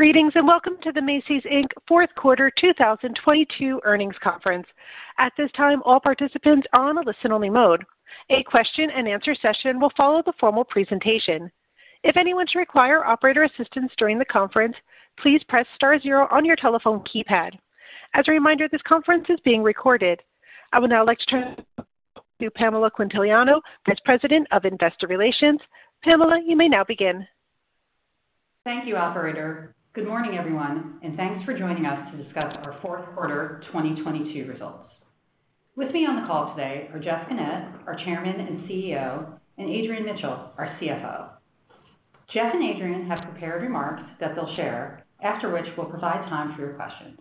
Greetings, welcome to the Macy's Inc. fourth quarter 2022 earnings conference. At this time, all participants are on a listen-only mode. A question and answer session will follow the formal presentation. If anyone should require operator assistance during the conference, please press star zero on your telephone keypad. As a reminder, this conference is being recorded. I would now like to turn to Pamela Quintiliano, Vice President of Investor Relations. Pamela, you may now begin. Thank you, operator. Good morning, everyone. Thanks for joining us to discuss our fourth quarter 2022 results. With me on the call today are Jeff Gennette, our Chairman and CEO, and Adrian Mitchell, our CFO. Jeff and Adrian have prepared remarks that they'll share, after which we'll provide time for your questions.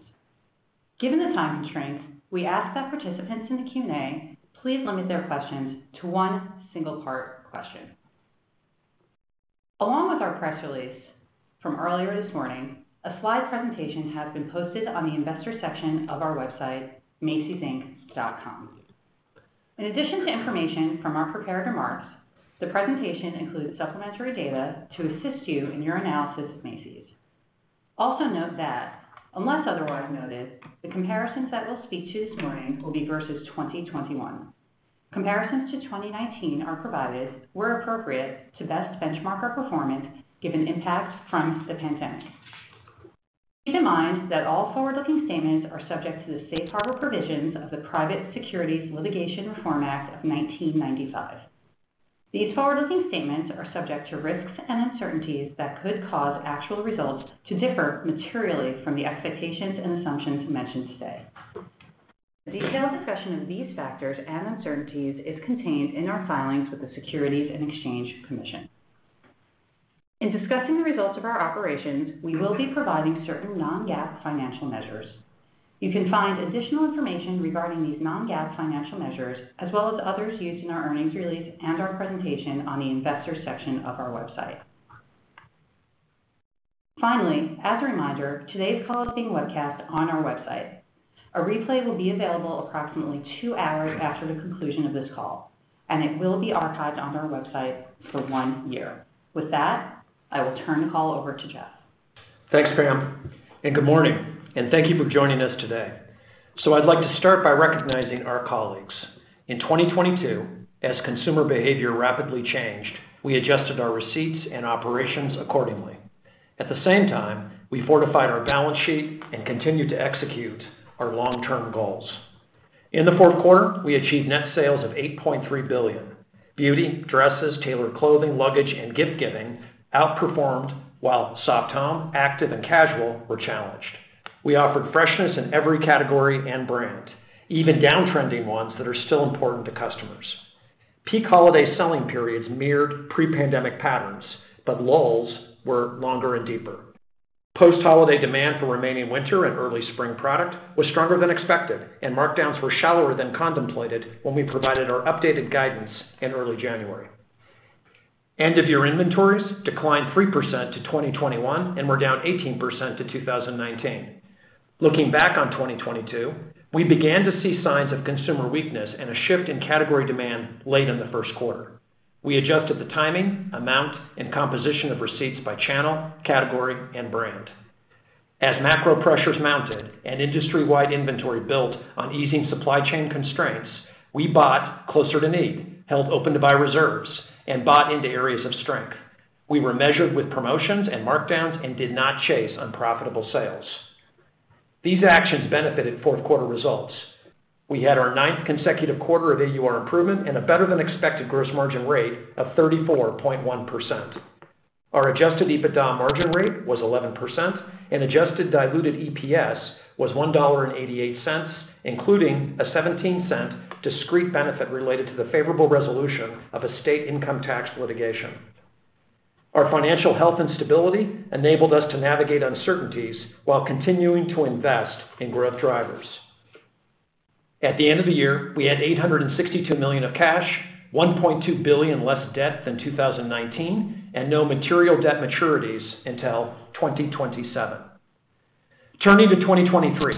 Given the time constraints, we ask that participants in the Q&A please limit their questions to one single part question. Along with our press release from earlier this morning, a slide presentation has been posted on the investor section of our website, macysinc.com. In addition to information from our prepared remarks, the presentation includes supplementary data to assist you in your analysis of Macy's. Also note that, unless otherwise noted, the comparisons that we'll speak to this morning will be versus 2021. Comparisons to 2019 are provided, where appropriate, to best benchmark our performance given impacts from the pandemic. Keep in mind that all forward-looking statements are subject to the safe harbor provisions of the Private Securities Litigation Reform Act of 1995. These forward-looking statements are subject to risks and uncertainties that could cause actual results to differ materially from the expectations and assumptions mentioned today. A detailed discussion of these factors and uncertainties is contained in our filings with the Securities and Exchange Commission. In discussing the results of our operations, we will be providing certain non-GAAP financial measures. You can find additional information regarding these non-GAAP financial measures, as well as others used in our earnings release and our presentation on the investors section of our website. Finally, as a reminder, today's call is being webcast on our website. A replay will be available approximately two hours after the conclusion of this call, and it will be archived on our website for one year. With that, I will turn the call over to Jeff. Thanks, Pam. Good morning, and thank you for joining us today. I'd like to start by recognizing our colleagues. In 2022, as consumer behavior rapidly changed, we adjusted our receipts and operations accordingly. At the same time, we fortified our balance sheet and continued to execute our long-term goals. In the fourth quarter, we achieved net sales of $8.3 billion. Beauty, dresses, tailored clothing, luggage, and gift giving outperformed while soft home, active, and casual were challenged. We offered freshness in every category and brand, even downtrending ones that are still important to customers. Peak holiday selling periods mirrored pre-pandemic patterns. Lulls were longer and deeper. Post-holiday demand for remaining winter and early spring product was stronger than expected. Markdowns were shallower than contemplated when we provided our updated guidance in early January. End-of-year inventories declined 3% to 2021 and were down 18% to 2019. Looking back on 2022, we began to see signs of consumer weakness and a shift in category demand late in the first quarter. We adjusted the timing, amount, and composition of receipts by channel, category, and brand. As macro pressures mounted and industry-wide inventory built on easing supply chain constraints, we bought closer to need, held open to buy reserves, and bought into areas of strength. We were measured with promotions and markdowns and did not chase unprofitable sales. These actions benefited fourth quarter results. We had our ninth consecutive quarter of AUR improvement and a better-than-expected gross margin rate of 34.1%. Our adjusted EBITDA margin rate was 11%. Adjusted diluted EPS was $1.88, including a $0.17 discrete benefit related to the favorable resolution of a state income tax litigation. Our financial health and stability enabled us to navigate uncertainties while continuing to invest in growth drivers. At the end of the year, we had $862 million of cash, $1.2 billion less debt than 2019. No material debt maturities until 2027. Turning to 2023,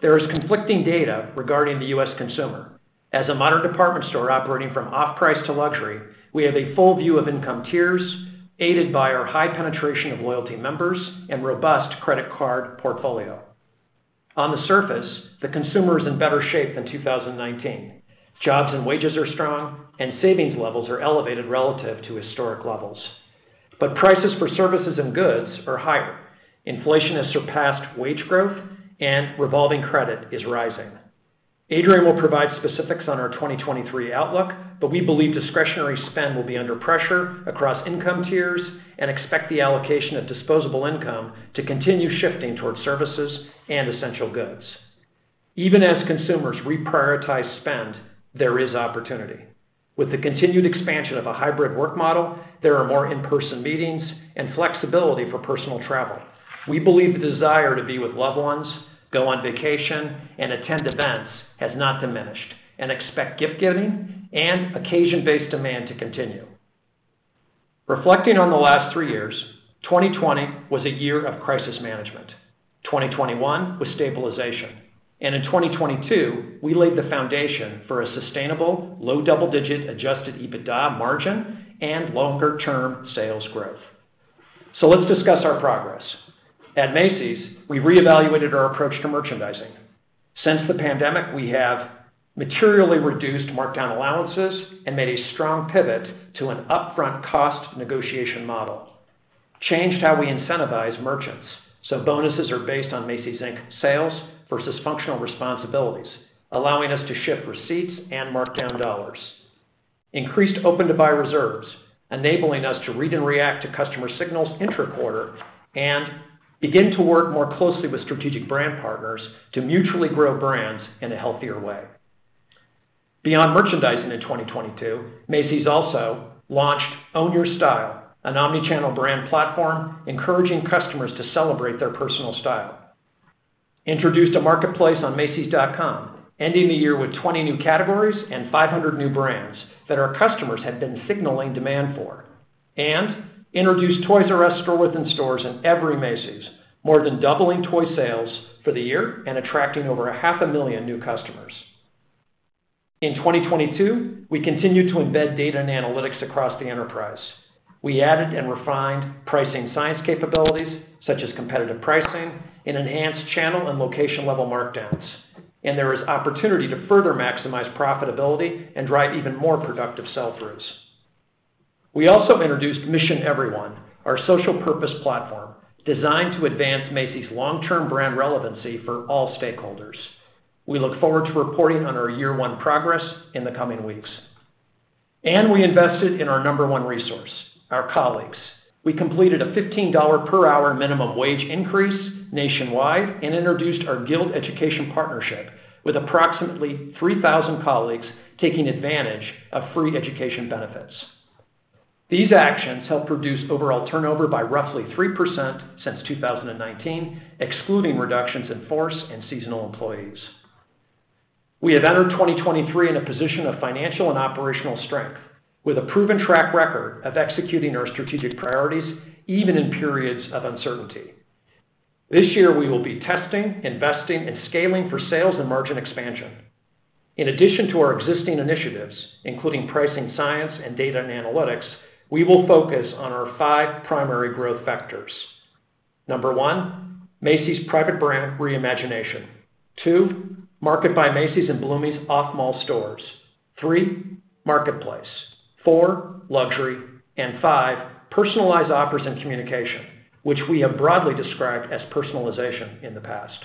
there is conflicting data regarding the U.S. consumer. As a modern department store operating from off-price to luxury, we have a full view of income tiers aided by our high penetration of loyalty members and robust credit card portfolio. On the surface, the consumer is in better shape than 2019. Jobs and wages are strong and savings levels are elevated relative to historic levels. Prices for services and goods are higher. Inflation has surpassed wage growth and revolving credit is rising. Adrian will provide specifics on our 2023 outlook, but we believe discretionary spend will be under pressure across income tiers and expect the allocation of disposable income to continue shifting towards services and essential goods. Even as consumers reprioritize spend, there is opportunity. With the continued expansion of a hybrid work model, there are more in-person meetings and flexibility for personal travel. We believe the desire to be with loved ones, go on vacation, and attend events has not diminished and expect gift giving and occasion-based demand to continue. Reflecting on the last three years, 2020 was a year of crisis management. 2021 was stabilization, and in 2022, we laid the foundation for a sustainable low double-digit adjusted EBITDA margin and longer-term sales growth. Let's discuss our progress. At Macy's, we reevaluated our approach to merchandising. Since the pandemic, we have materially reduced markdown allowances and made a strong pivot to an upfront cost negotiation model, changed how we incentivize merchants, so bonuses are based on Macy's Inc. sales versus functional responsibilities, allowing us to shift receipts and markdown dollars. Increased open to buy reserves, enabling us to read and react to customer signals inter-quarter, and begin to work more closely with strategic brand partners to mutually grow brands in a healthier way. Beyond merchandising in 2022, Macy's also launched Own Your Style, an omnichannel brand platform encouraging customers to celebrate their personal style. Introduced a marketplace on macys.com, ending the year with 20 new categories and 500 new brands that our customers had been signaling demand for. Introduced Toys 'R' Us store-within-stores in every Macy's, more than doubling toy sales for the year and attracting over a half a million new customers. In 2022, we continued to embed data and analytics across the enterprise. We added and refined pricing science capabilities such as competitive pricing and enhanced channel and location-level markdowns, and there is opportunity to further maximize profitability and drive even more productive sell-throughs. We also introduced Mission Every One, our social purpose platform designed to advance Macy's long-term brand relevancy for all stakeholders. We look forward to reporting on our year one progress in the coming weeks. We invested in our number one resource, our colleagues. We completed a $15 per hour minimum wage increase nationwide and introduced our Guild Education partnership with approximately 3,000 colleagues taking advantage of free education benefits. These actions help reduce overall turnover by roughly 3% since 2019, excluding reductions in force and seasonal employees. We have entered 2023 in a position of financial and operational strength with a proven track record of executing our strategic priorities even in periods of uncertainty. This year, we will be testing, investing, and scaling for sales and margin expansion. In addition to our existing initiatives, including pricing science and data and analytics, we will focus on our five primary growth vectors. Number one, Macy's private brand re-imagination. Two, Market by Macy's and Bloomie's off-mall stores. Three, Marketplace. Four, luxury. Five, personalized offers and communication, which we have broadly described as personalization in the past.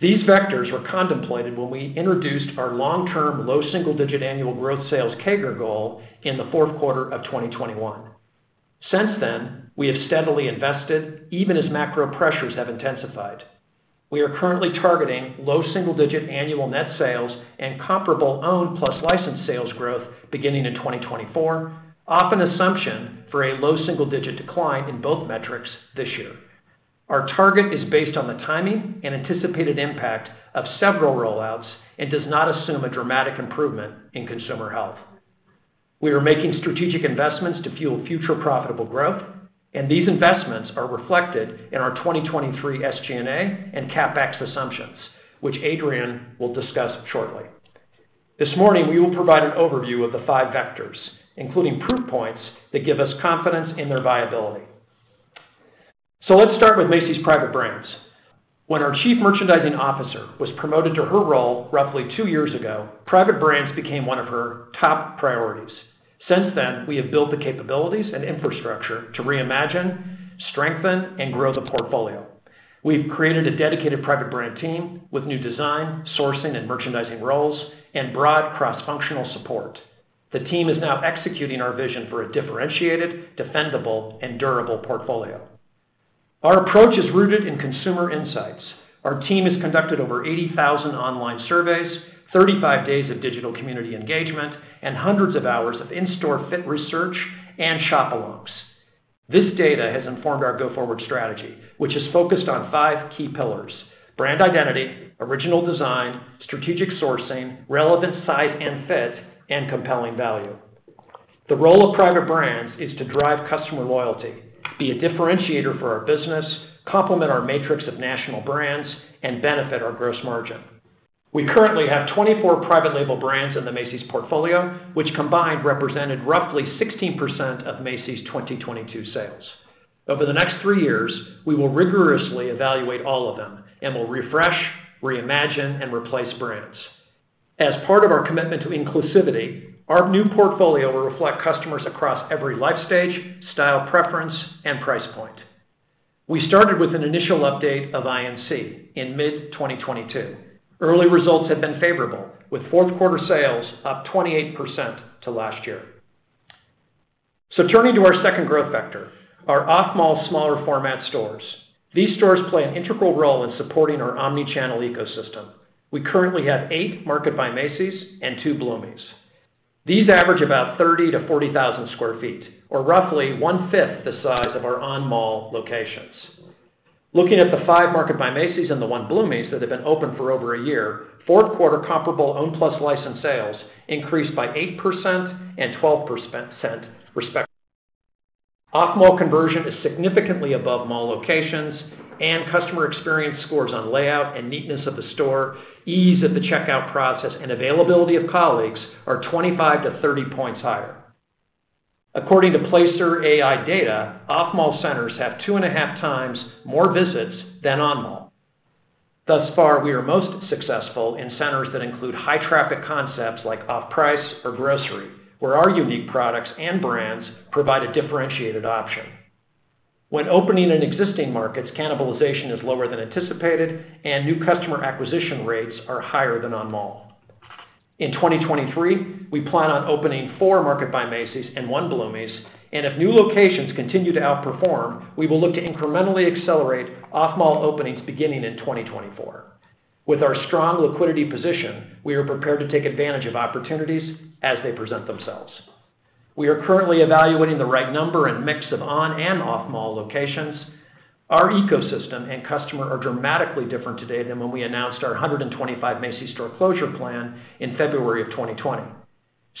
These vectors were contemplated when we introduced our long-term low single-digit annual growth sales CAGR goal in the fourth quarter of 2021. Since then, we have steadily invested, even as macro pressures have intensified. We are currently targeting low single-digit annual net sales and comparable owned plus licensed sales growth beginning in 2024, off an assumption for a low single-digit decline in both metrics this year. Our target is based on the timing and anticipated impact of several rollouts and does not assume a dramatic improvement in consumer health. We are making strategic investments to fuel future profitable growth. These investments are reflected in our 2023 SG&A and CapEx assumptions, which Adrian will discuss shortly. This morning, we will provide an overview of the five vectors, including proof points that give us confidence in their viability. Let's start with Macy's private brands. When our chief merchandising officer was promoted to her role roughly two years ago, private brands became one of her top priorities. Since then, we have built the capabilities and infrastructure to reimagine, strengthen, and grow the portfolio. We've created a dedicated private brand team with new design, sourcing, and merchandising roles and broad cross-functional support. The team is now executing our vision for a differentiated, defendable, and durable portfolio. Our approach is rooted in consumer insights. Our team has conducted over 80,000 online surveys, 35 days of digital community engagement, and hundreds of hours of in-store fit research and shop alongs. This data has informed our go-forward strategy, which is focused on five key pillars: brand identity, original design, strategic sourcing, relevant size and fit, and compelling value. The role of private brands is to drive customer loyalty, be a differentiator for our business, complement our matrix of national brands, and benefit our gross margin. We currently have 24 private label brands in the Macy's portfolio, which combined represented roughly 16% of Macy's 2022 sales. Over the next three years, we will rigorously evaluate all of them and will refresh, reimagine, and replace brands. As part of our commitment to inclusivity, our new portfolio will reflect customers across every life stage, style preference, and price point. We started with an initial update of INC in mid-2022. Early results have been favorable, with fourth quarter sales up 28% to last year. Turning to our second growth vector, our off-mall smaller format stores. These stores play an integral role in supporting our omnichannel ecosystem. We currently have eight Market by Macy's and two Bloomie's. These average about 30,000-40,000 sq ft or roughly 1/5 the size of our on-mall locations. Looking at the five Market by Macy's and the one Bloomie's that have been open for over a year, fourth quarter comparable own plus licensed sales increased by 8% and 12%, respectively. Off-mall conversion is significantly above mall locations, and customer experience scores on layout and neatness of the store, ease of the checkout process, and availability of colleagues are 25-30 points higher. According to Placer.ai data, off-mall centers have 2.5x more visits than on-mall. Thus far, we are most successful in centers that include high traffic concepts like off-price or grocery, where our unique products and brands provide a differentiated option. When opening in existing markets, cannibalization is lower than anticipated and new customer acquisition rates are higher than on-mall. In 2023, we plan on opening four Market by Macy's and one Bloomie's, if new locations continue to outperform, we will look to incrementally accelerate off-mall openings beginning in 2024. With our strong liquidity position, we are prepared to take advantage of opportunities as they present themselves. We are currently evaluating the right number and mix of on and off-mall locations. Our ecosystem and customer are dramatically different today than when we announced our 125 Macy's store closure plan in February of 2020.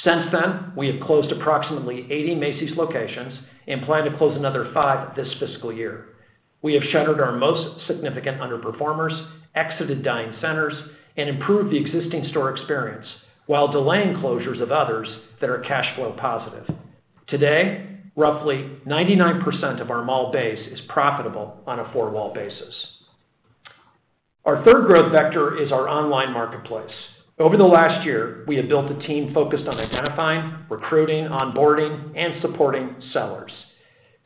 Since then, we have closed approximately 80 Macy's locations and plan to close another five this fiscal year. We have shuttered our most significant underperformers, exited dying centers, and improved the existing store experience while delaying closures of others that are cash flow positive. Today, roughly 99% of our mall base is profitable on a four-wall basis. Our third growth vector is our online marketplace. Over the last year, we have built a team focused on identifying, recruiting, onboarding, and supporting sellers.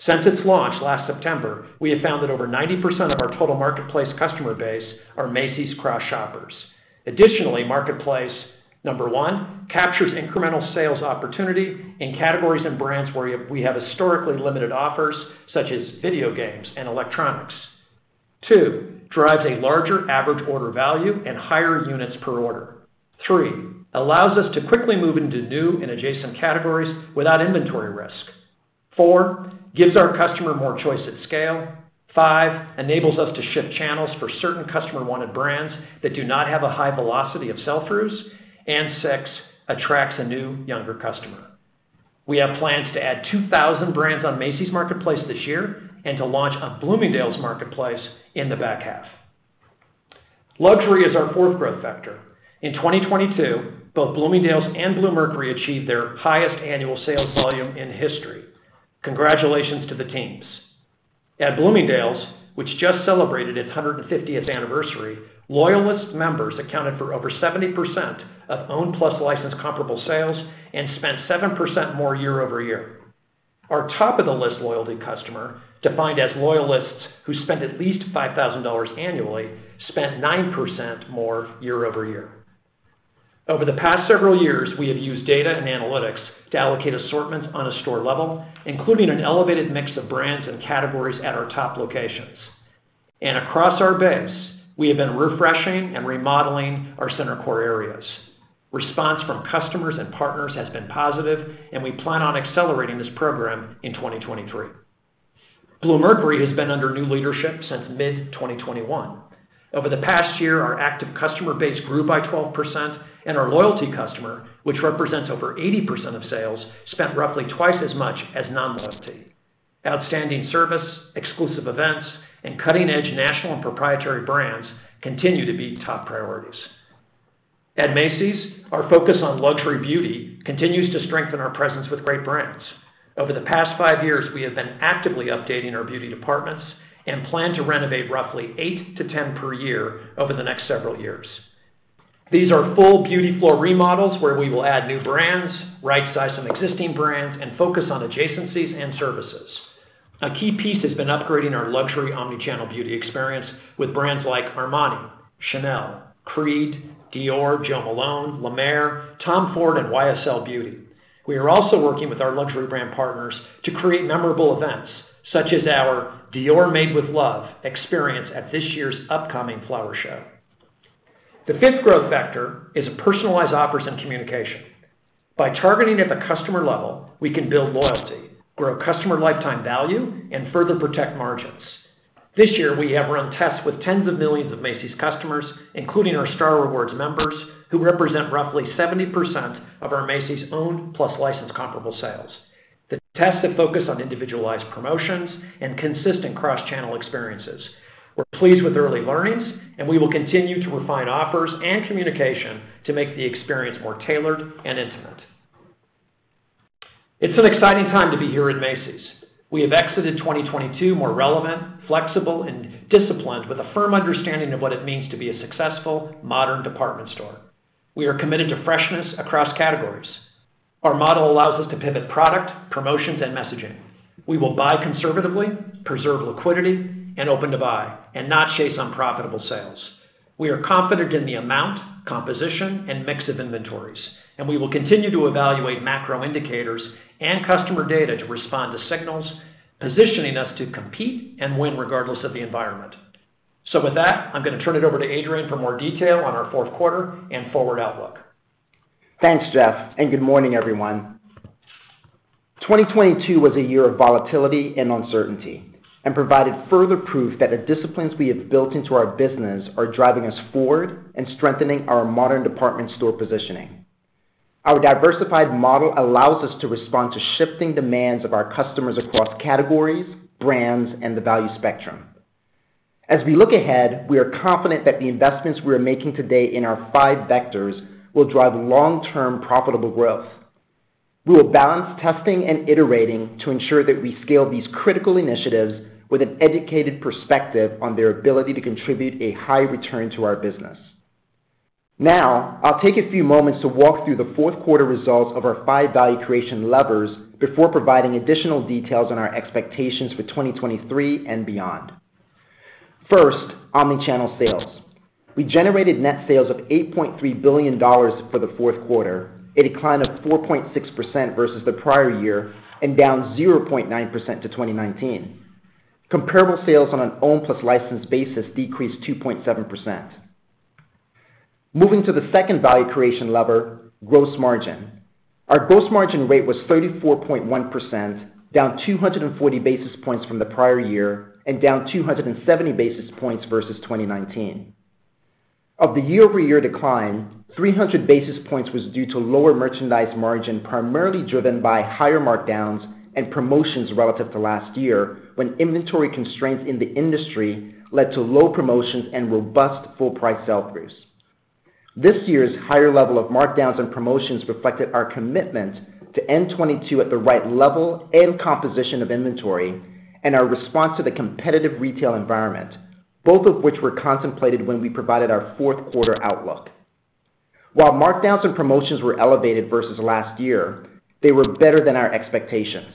Since its launch last September, we have found that over 90% of our total marketplace customer base are Macy's cross-shoppers. Additionally, marketplace, Number one, captures incremental sales opportunity in categories and brands where we have historically limited offers, such as video games and electronics. Two, drives a larger average order value and higher units per order. Three, allows us to quickly move into new and adjacent categories without inventory risk. Four, gives our customer more choice at scale. Five, enables us to shift channels for certain customer-wanted brands that do not have a high velocity of sell-throughs, and six, attracts a new younger customer. We have plans to add 2,000 brands on Macy's Marketplace this year and to launch a Bloomingdale's Marketplace in the back half. Luxury is our fourth growth vector. In 2022, both Bloomingdale's and Bluemercury achieved their highest annual sales volume in history. Congratulations to the teams. At Bloomingdale's, which just celebrated its 150th anniversary, loyalist members accounted for over 70% of owned plus licensed comparable sales and spent 7% more year-over-year. Our Top of the List loyalty customer, defined as loyalists who spend at least $5,000 annually, spent 9% more year-over-year. Over the past several years, we have used data and analytics to allocate assortments on a store level, including an elevated mix of brands and categories at our top locations. Across our base, we have been refreshing and remodeling our center core areas. Response from customers and partners has been positive, we plan on accelerating this program in 2023. Bluemercury has been under new leadership since mid-2021. Over the past year, our active customer base grew by 12% and our loyalty customer, which represents over 80% of sales, spent roughly twice as much as non-loyalty. Outstanding service, exclusive events, and cutting-edge national and proprietary brands continue to be top priorities. At Macy's, our focus on luxury beauty continues to strengthen our presence with great brands. Over the past five years, we have been actively updating our beauty departments and plan to renovate roughly eight to 10 per year over the next several years. These are full beauty floor remodels where we will add new brands, right size some existing brands, and focus on adjacencies and services. A key piece has been upgrading our luxury omni-channel beauty experience with brands like Armani, Chanel, Creed, Dior, Jo Malone, La Mer, TOM FORD, and YSL Beauty. We are also working with our luxury brand partners to create memorable events such as our DIOR Made with Love experience at this year's upcoming flower show. The fifth growth vector is personalized offers and communication. By targeting at the customer level, we can build loyalty, grow customer lifetime value, and further protect margins. This year, we have run tests with tens of millions of Macy's customers, including our Star Rewards members, who represent roughly 70% of our Macy's owned plus licensed comparable sales. The tests have focused on individualized promotions and consistent cross-channel experiences. We're pleased with early learnings, and we will continue to refine offers and communication to make the experience more tailored and intimate. It's an exciting time to be here at Macy's. We have exited 2022 more relevant, flexible, and disciplined with a firm understanding of what it means to be a successful modern department store. We are committed to freshness across categories. Our model allows us to pivot product, promotions, and messaging. We will buy conservatively, preserve liquidity, and open to buy and not chase unprofitable sales. We are confident in the amount, composition, and mix of inventories, and we will continue to evaluate macro indicators and customer data to respond to signals, positioning us to compete and win regardless of the environment. With that, I'm going to turn it over to Adrian for more detail on our fourth quarter and forward outlook. Thanks, Jeff. Good morning, everyone. 2022 was a year of volatility and uncertainty. Provided further proof that the disciplines we have built into our business are driving us forward and strengthening our modern department store positioning. Our diversified model allows us to respond to shifting demands of our customers across categories, brands, and the value spectrum. As we look ahead, we are confident that the investments we are making today in our five vectors will drive long-term profitable growth. We will balance testing and iterating to ensure that we scale these critical initiatives with an educated perspective on their ability to contribute a high return to our business. Now, I'll take a few moments to walk through the fourth quarter results of our five value creation levers before providing additional details on our expectations for 2023 and beyond. First, omnichannel sales. We generated net sales of $8.3 billion for the fourth quarter, a decline of 4.6% versus the prior year and down 0.9% to 2019. Comparable sales on an owned plus licensed basis decreased 2.7%. Moving to the second value creation lever, gross margin. Our gross margin rate was 34.1%, down 240 basis points from the prior year and down 270 basis points versus 2019. Of the year-over-year decline, 300 basis points was due to lower merchandise margin, primarily driven by higher markdowns and promotions relative to last year when inventory constraints in the industry led to low promotions and robust full price sell-throughs. This year's higher level of markdowns and promotions reflected our commitment to end 2022 at the right level and composition of inventory and our response to the competitive retail environment, both of which were contemplated when we provided our fourth quarter outlook. While markdowns and promotions were elevated versus last year, they were better than our expectations.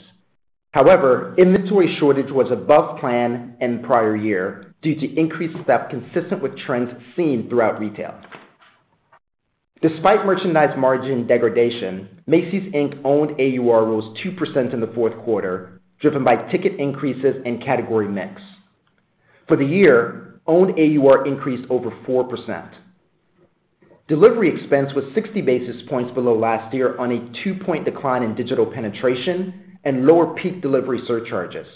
However, inventory shortage was above plan and prior year due to increased theft consistent with trends seen throughout retail. Despite merchandise margin degradation, Macy's, Inc. owned AUR rose 2% in the fourth quarter, driven by ticket increases and category mix. For the year, owned AUR increased over 4%. Delivery expense was 60 basis points below last year on a two-point decline in digital penetration and lower peak delivery surcharges.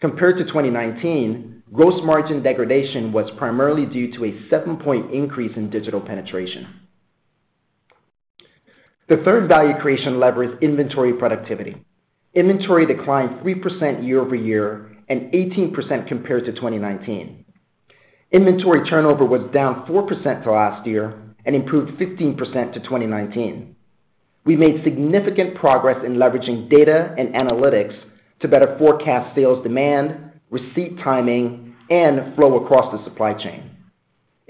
Compared to 2019, gross margin degradation was primarily due to a seven-point increase in digital penetration. The third value creation lever is inventory productivity. Inventory declined 3% year-over-year and 18% compared to 2019. Inventory turnover was down 4% to last year and improved 15% to 2019. We made significant progress in leveraging data and analytics to better forecast sales demand, receipt timing, and flow across the supply chain.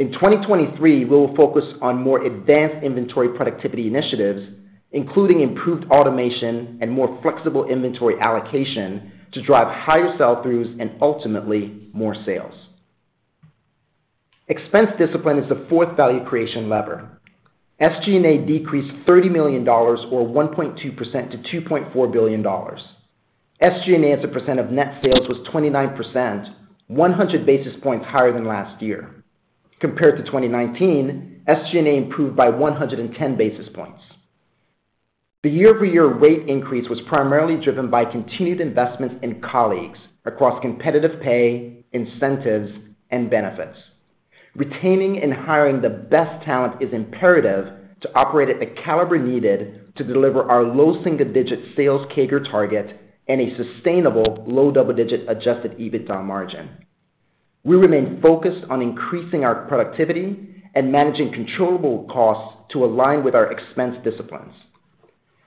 In 2023, we will focus on more advanced inventory productivity initiatives, including improved automation and more flexible inventory allocation to drive higher sell-throughs and ultimately more sales. Expense discipline is the fourth value creation lever. SG&A decreased $30 million or 1.2% to $2.4 billion. SG&A as a percent of net sales was 29%, 100 basis points higher than last year. Compared to 2019, SG&A improved by 110 basis points. The year-over-year rate increase was primarily driven by continued investments in colleagues across competitive pay, incentives, and benefits. Retaining and hiring the best talent is imperative to operate at the caliber needed to deliver our low single-digit sales CAGR target and a sustainable low-double-digit adjusted EBITDA margin. We remain focused on increasing our productivity and managing controllable costs to align with our expense disciplines.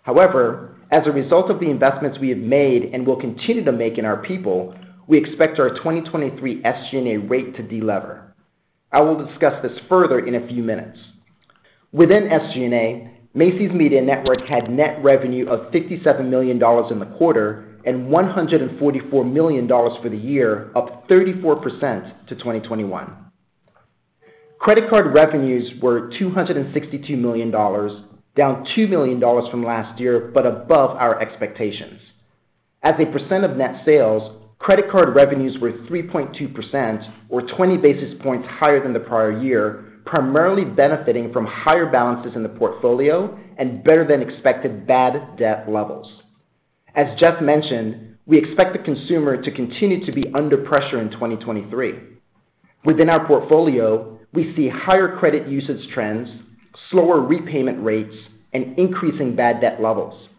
As a result of the investments we have made and will continue to make in our people, we expect our 2023 SG&A rate to delever. I will discuss this further in a few minutes. Within SG&A, Macy's Media Network had net revenue of $57 million in the quarter and $144 million for the year, up 34% to 2021. Credit card revenues were $262 million, down $2 million from last year, above our expectations. As a percent of net sales, credit card revenues were 3.2% or 20 basis points higher than the prior year, primarily benefiting from higher balances in the portfolio and better-than-expected bad debt levels. As Jeff mentioned, we expect the consumer to continue to be under pressure in 2023. Within our portfolio, we see higher credit usage trends, slower repayment rates, and increasing bad debt levels.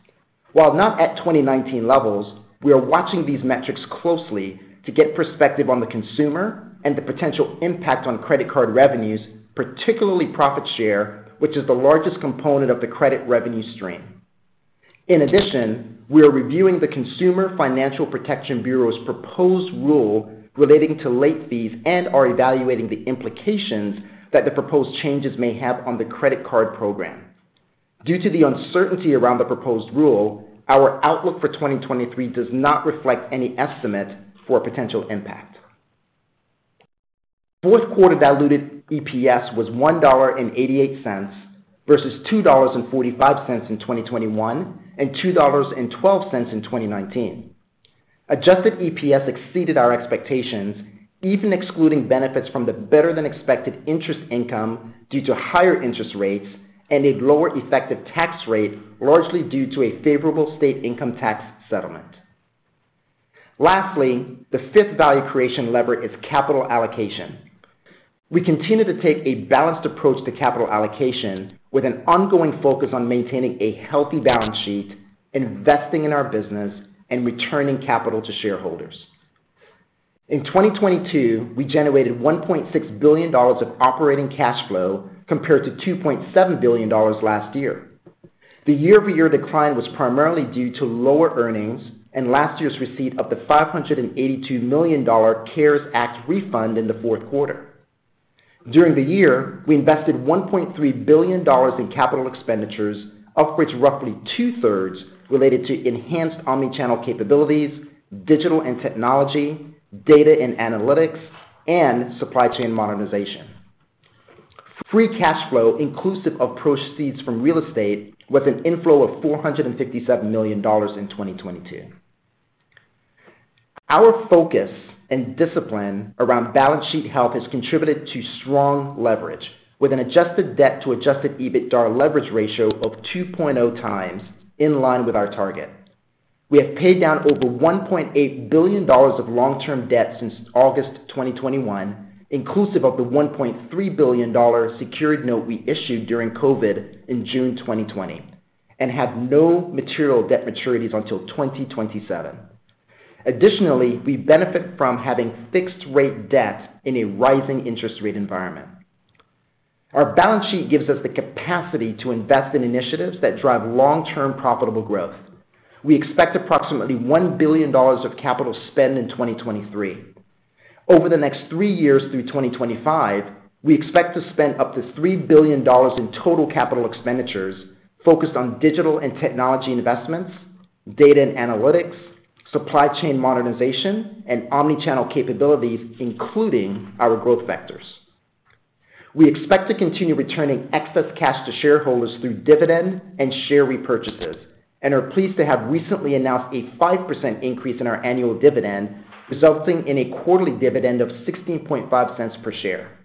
While not at 2019 levels, we are watching these metrics closely to get perspective on the consumer and the potential impact on credit card revenues, particularly profit share, which is the largest component of the credit revenue stream. In addition, we are reviewing the Consumer Financial Protection Bureau's proposed rule relating to late fees and are evaluating the implications that the proposed changes may have on the credit card program. Due to the uncertainty around the proposed rule, our outlook for 2023 does not reflect any estimate for potential impact. Fourth quarter diluted EPS was $1.88 versus $2.45 in 2021 and $2.12 in 2019. Adjusted EPS exceeded our expectations, even excluding benefits from the better-than-expected interest income due to higher interest rates and a lower effective tax rate, largely due to a favorable state income tax settlement. The fifth value creation lever is capital allocation. We continue to take a balanced approach to capital allocation with an ongoing focus on maintaining a healthy balance sheet, investing in our business, and returning capital to shareholders. In 2022, we generated $1.6 billion of operating cash flow compared to $2.7 billion last year. The year-over-year decline was primarily due to lower earnings and last year's receipt of the $582 million CARES Act refund in the fourth quarter. During the year, we invested $1.3 billion in capital expenditures, of which roughly two-thirds related to enhanced omni-channel capabilities, digital and technology, data and analytics, and supply chain modernization. Free cash flow, inclusive of proceeds from real estate, was an inflow of $457 million in 2022. Our focus and discipline around balance sheet health has contributed to strong leverage, with an adjusted debt to adjusted EBITDAR leverage ratio of 2.0x, in line with our target. We have paid down over $1.8 billion of long-term debt since August 2021, inclusive of the $1.3 billion secured note we issued during COVID in June 2020, and have no material debt maturities until 2027. Additionally, we benefit from having fixed rate debt in a rising interest rate environment. Our balance sheet gives us the capacity to invest in initiatives that drive long-term profitable growth. We expect approximately $1 billion of capital spend in 2023. Over the next three years through 2025, we expect to spend up to $3 billion in total capital expenditures focused on digital and technology investments, data and analytics, supply chain modernization, and omnichannel capabilities, including our growth vectors. We expect to continue returning excess cash to shareholders through dividend and share repurchases, and are pleased to have recently announced a 5% increase in our annual dividend, resulting in a quarterly dividend of $0.165 per share.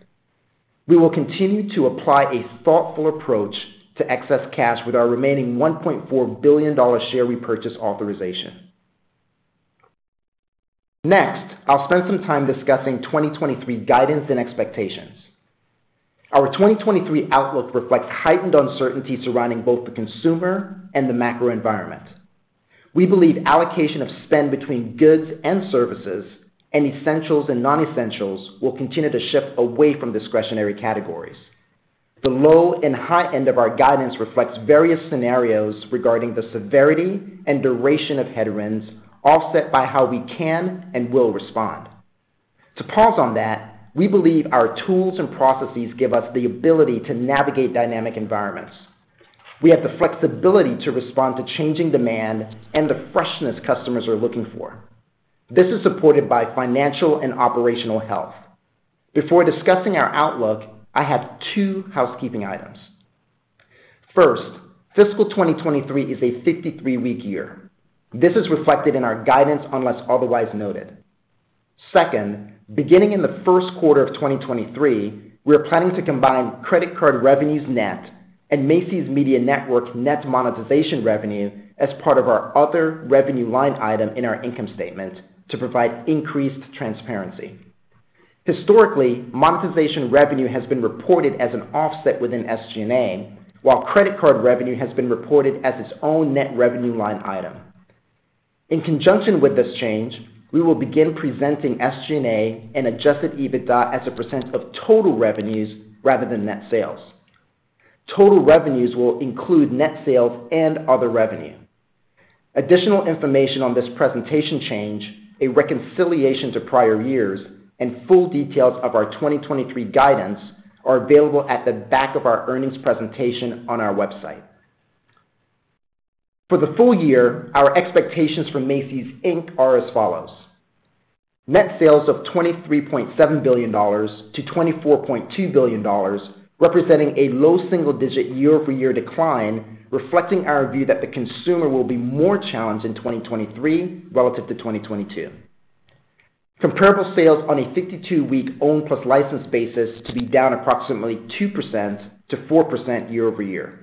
We will continue to apply a thoughtful approach to excess cash with our remaining $1.4 billion share repurchase authorization. Next, I'll spend some time discussing 2023 guidance and expectations. Our 2023 outlook reflects heightened uncertainty surrounding both the consumer and the macro environment. We believe allocation of spend between goods and services and essentials and non-essentials will continue to shift away from discretionary categories. The low and high end of our guidance reflects various scenarios regarding the severity and duration of headwinds, offset by how we can and will respond. To pause on that, we believe our tools and processes give us the ability to navigate dynamic environments. We have the flexibility to respond to changing demand and the freshness customers are looking for. This is supported by financial and operational health. Before discussing our outlook, I have two housekeeping items. First, fiscal 2023 is a 53-week year. This is reflected in our guidance unless otherwise noted. Second, beginning in the first quarter of 2023, we are planning to combine credit card revenues net and Macy's Media Network net monetization revenue as part of our other revenue line item in our income statement to provide increased transparency. Historically, monetization revenue has been reported as an offset within SG&A, while credit card revenue has been reported as its own net revenue line item. In conjunction with this change, we will begin presenting SG&A and adjusted EBITDAR as a percent of total revenues rather than net sales. Total revenues will include net sales and other revenue. Additional information on this presentation change, a reconciliation to prior years, and full details of our 2023 guidance are available at the back of our earnings presentation on our website. For the full year, our expectations for Macy's Inc. are as follows. Net sales of $23.7 billion-$24.2 billion, representing a low single digit year-over-year decline, reflecting our view that the consumer will be more challenged in 2023 relative to 2022. Comparable sales on a 52-week owned plus licensed basis to be down approximately 2%-4% year-over-year.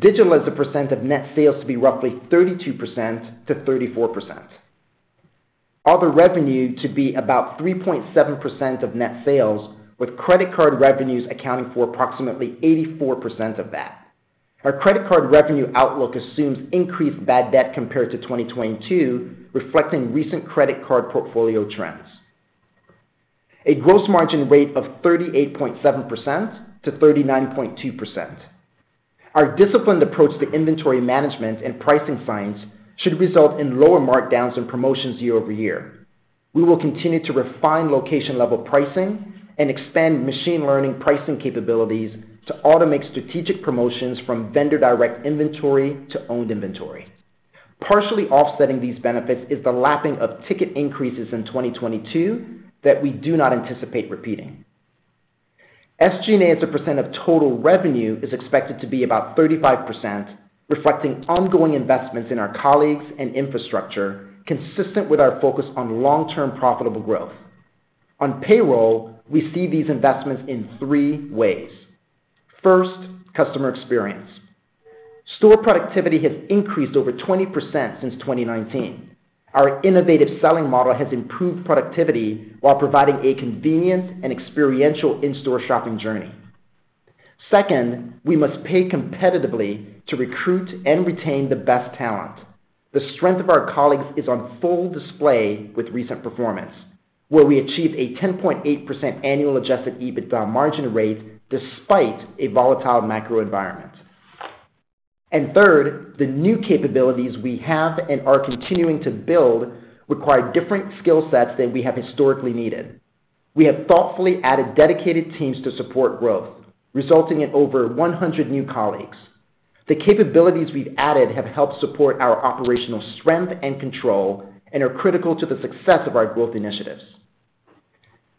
Digital as a percent of net sales to be roughly 32%-34%. Other revenue to be about 3.7% of net sales, with credit card revenues accounting for approximately 84% of that. Our credit card revenue outlook assumes increased bad debt compared to 2022, reflecting recent credit card portfolio trends. A gross margin rate of 38.7%-39.2%. Our disciplined approach to inventory management and pricing science should result in lower markdowns and promotions year-over-year. We will continue to refine location-level pricing and expand machine learning pricing capabilities to automate strategic promotions from vendor direct inventory to owned inventory. Partially offsetting these benefits is the lapping of ticket increases in 2022 that we do not anticipate repeating. SG&A as a percent of total revenue is expected to be about 35%, reflecting ongoing investments in our colleagues and infrastructure consistent with our focus on long-term profitable growth. On payroll, we see these investments in three ways. First, customer experience. Store productivity has increased over 20% since 2019. Our innovative selling model has improved productivity while providing a convenient and experiential in-store shopping journey. Second, we must pay competitively to recruit and retain the best talent. The strength of our colleagues is on full display with recent performance, where we achieved a 10.8% annual adjusted EBITDA margin rate despite a volatile macro environment. Third, the new capabilities we have and are continuing to build require different skill sets than we have historically needed. We have thoughtfully added dedicated teams to support growth, resulting in over 100 new colleagues. The capabilities we've added have helped support our operational strength and control and are critical to the success of our growth initiatives.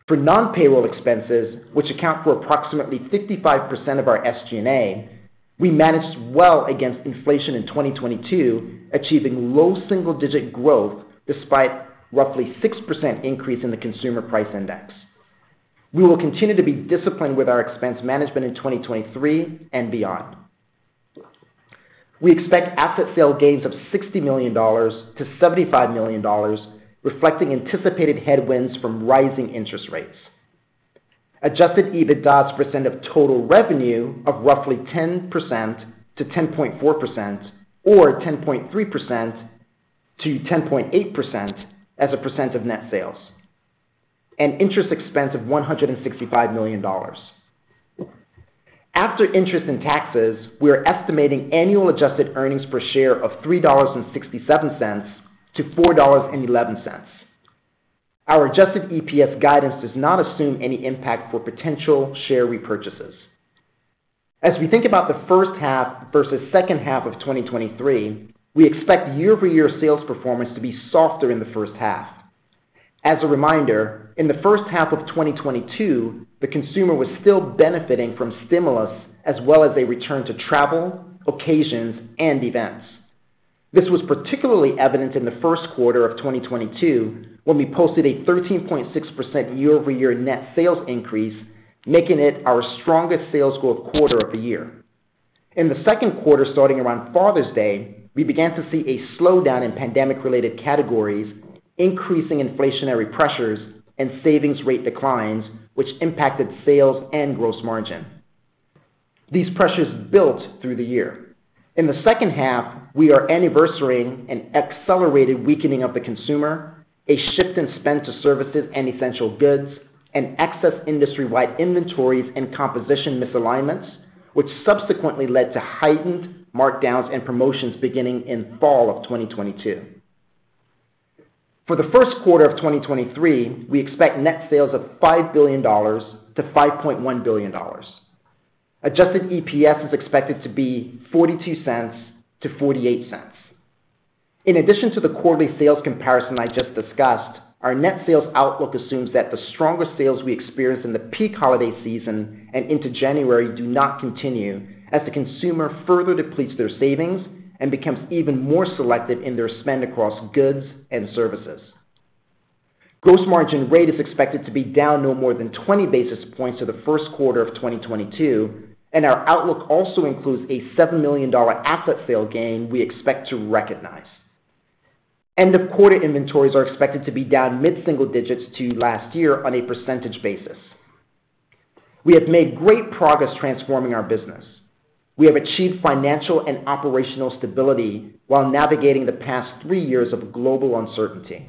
For non-payroll expenses, which account for approximately 55% of our SG&A, we managed well against inflation in 2022, achieving low single-digit growth despite roughly 6% increase in the Consumer Price Index. We will continue to be disciplined with our expense management in 2023 and beyond. We expect asset sale gains of $60 million-$75 million, reflecting anticipated headwinds from rising interest rates. Adjusted EBITDA as percent of total revenue of roughly 10%-10.4% or 10.3%-10.8% as a percent of net sales and interest expense of $165 million. After interest and taxes, we are estimating annual adjusted earnings per share of $3.67-$4.11. Our adjusted EPS guidance does not assume any impact for potential share repurchases. As we think about the first half versus second half of 2023, we expect year-over-year sales performance to be softer in the first half. As a reminder, in the first half of 2022, the consumer was still benefiting from stimulus as well as a return to travel, occasions, and events. This was particularly evident in the first quarter of 2022, when we posted a 13.6% year-over-year net sales increase, making it our strongest sales growth quarter of the year. In the second quarter, starting around Father's Day, we began to see a slowdown in pandemic-related categories, increasing inflationary pressures and savings rate declines, which impacted sales and gross margin. These pressures built through the year. In the second half, we are anniversarying an accelerated weakening of the consumer, a shift in spend to services and essential goods, and excess industry-wide inventories and composition misalignments, which subsequently led to heightened markdowns and promotions beginning in fall of 2022. For the first quarter of 2023, we expect net sales of $5 billion-$5.1 billion. Adjusted EPS is expected to be $0.42-$0.48. In addition to the quarterly sales comparison I just discussed, our net sales outlook assumes that the stronger sales we experience in the peak holiday season and into January do not continue as the consumer further depletes their savings and becomes even more selective in their spend across goods and services. Gross margin rate is expected to be down no more than 20 basis points to the first quarter of 2022. Our outlook also includes a $7 million asset sale gain we expect to recognize. End-of-quarter inventories are expected to be down mid-single digits to last year on a percentage basis. We have made great progress transforming our business. We have achieved financial and operational stability while navigating the past three years of global uncertainty.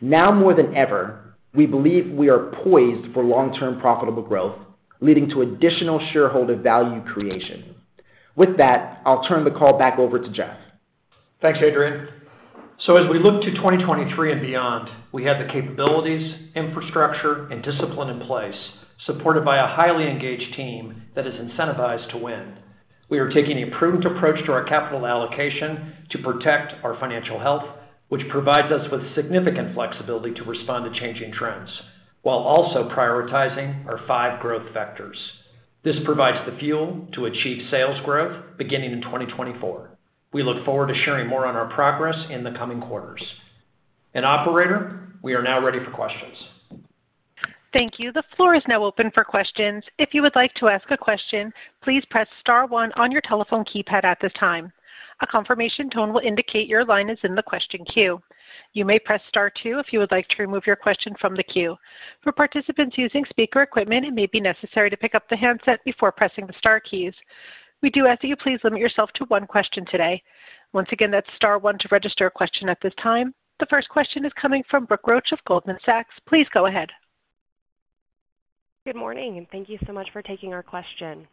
Now more than ever, we believe we are poised for long-term profitable growth, leading to additional shareholder value creation. With that, I'll turn the call back over to Jeff. Thanks, Adrian. As we look to 2023 and beyond, we have the capabilities, infrastructure, and discipline in place, supported by a highly engaged team that is incentivized to win. We are taking a prudent approach to our capital allocation to protect our financial health, which provides us with significant flexibility to respond to changing trends while also prioritizing our five growth vectors. This provides the fuel to achieve sales growth beginning in 2024. We look forward to sharing more on our progress in the coming quarters. Operator, we are now ready for questions. Thank you. The floor is now open for questions. If you would like to ask a question, please press star one on your telephone keypad at this time. A confirmation tone will indicate your line is in the question queue. You may press star two if you would like to remove your question from the queue. For participants using speaker equipment, it may be necessary to pick up the handset before pressing the star keys. We do ask that you please limit yourself to one question today. Once again, that's star one to register a question at this time. The first question is coming from Brooke Roach of Goldman Sachs. Please go ahead. Good morning, and thank you so much for taking our question.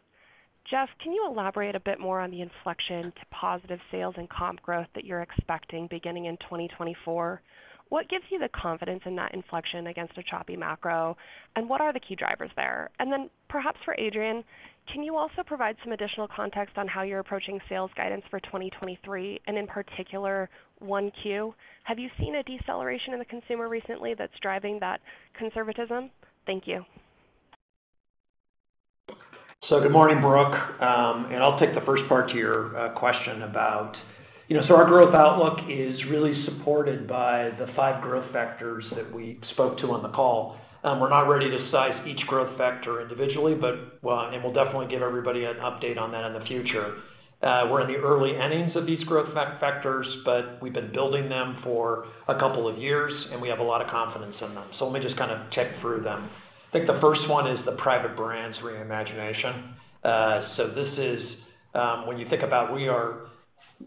Jeff, can you elaborate a bit more on the inflection to positive sales and comp growth that you're expecting beginning in 2024? What gives you the confidence in that inflection against a choppy macro, and what are the key drivers there? Perhaps for Adrian, can you also provide some additional context on how you're approaching sales guidance for 2023 and in particular Q1? Have you seen a deceleration in the consumer recently that's driving that conservatism? Thank you. Good morning, Brooke. I'll take the first part to your question about... You know, our growth outlook is really supported by the five growth factors that we spoke to on the call. We're not ready to size each growth factor individually, but we'll definitely give everybody an update on that in the future. We're in the early innings of these growth factors, but we've been building them for a couple of years, and we have a lot of confidence in them. Let me just kind of tick through them. I think the first one is the private brands reimagination. This is, when you think about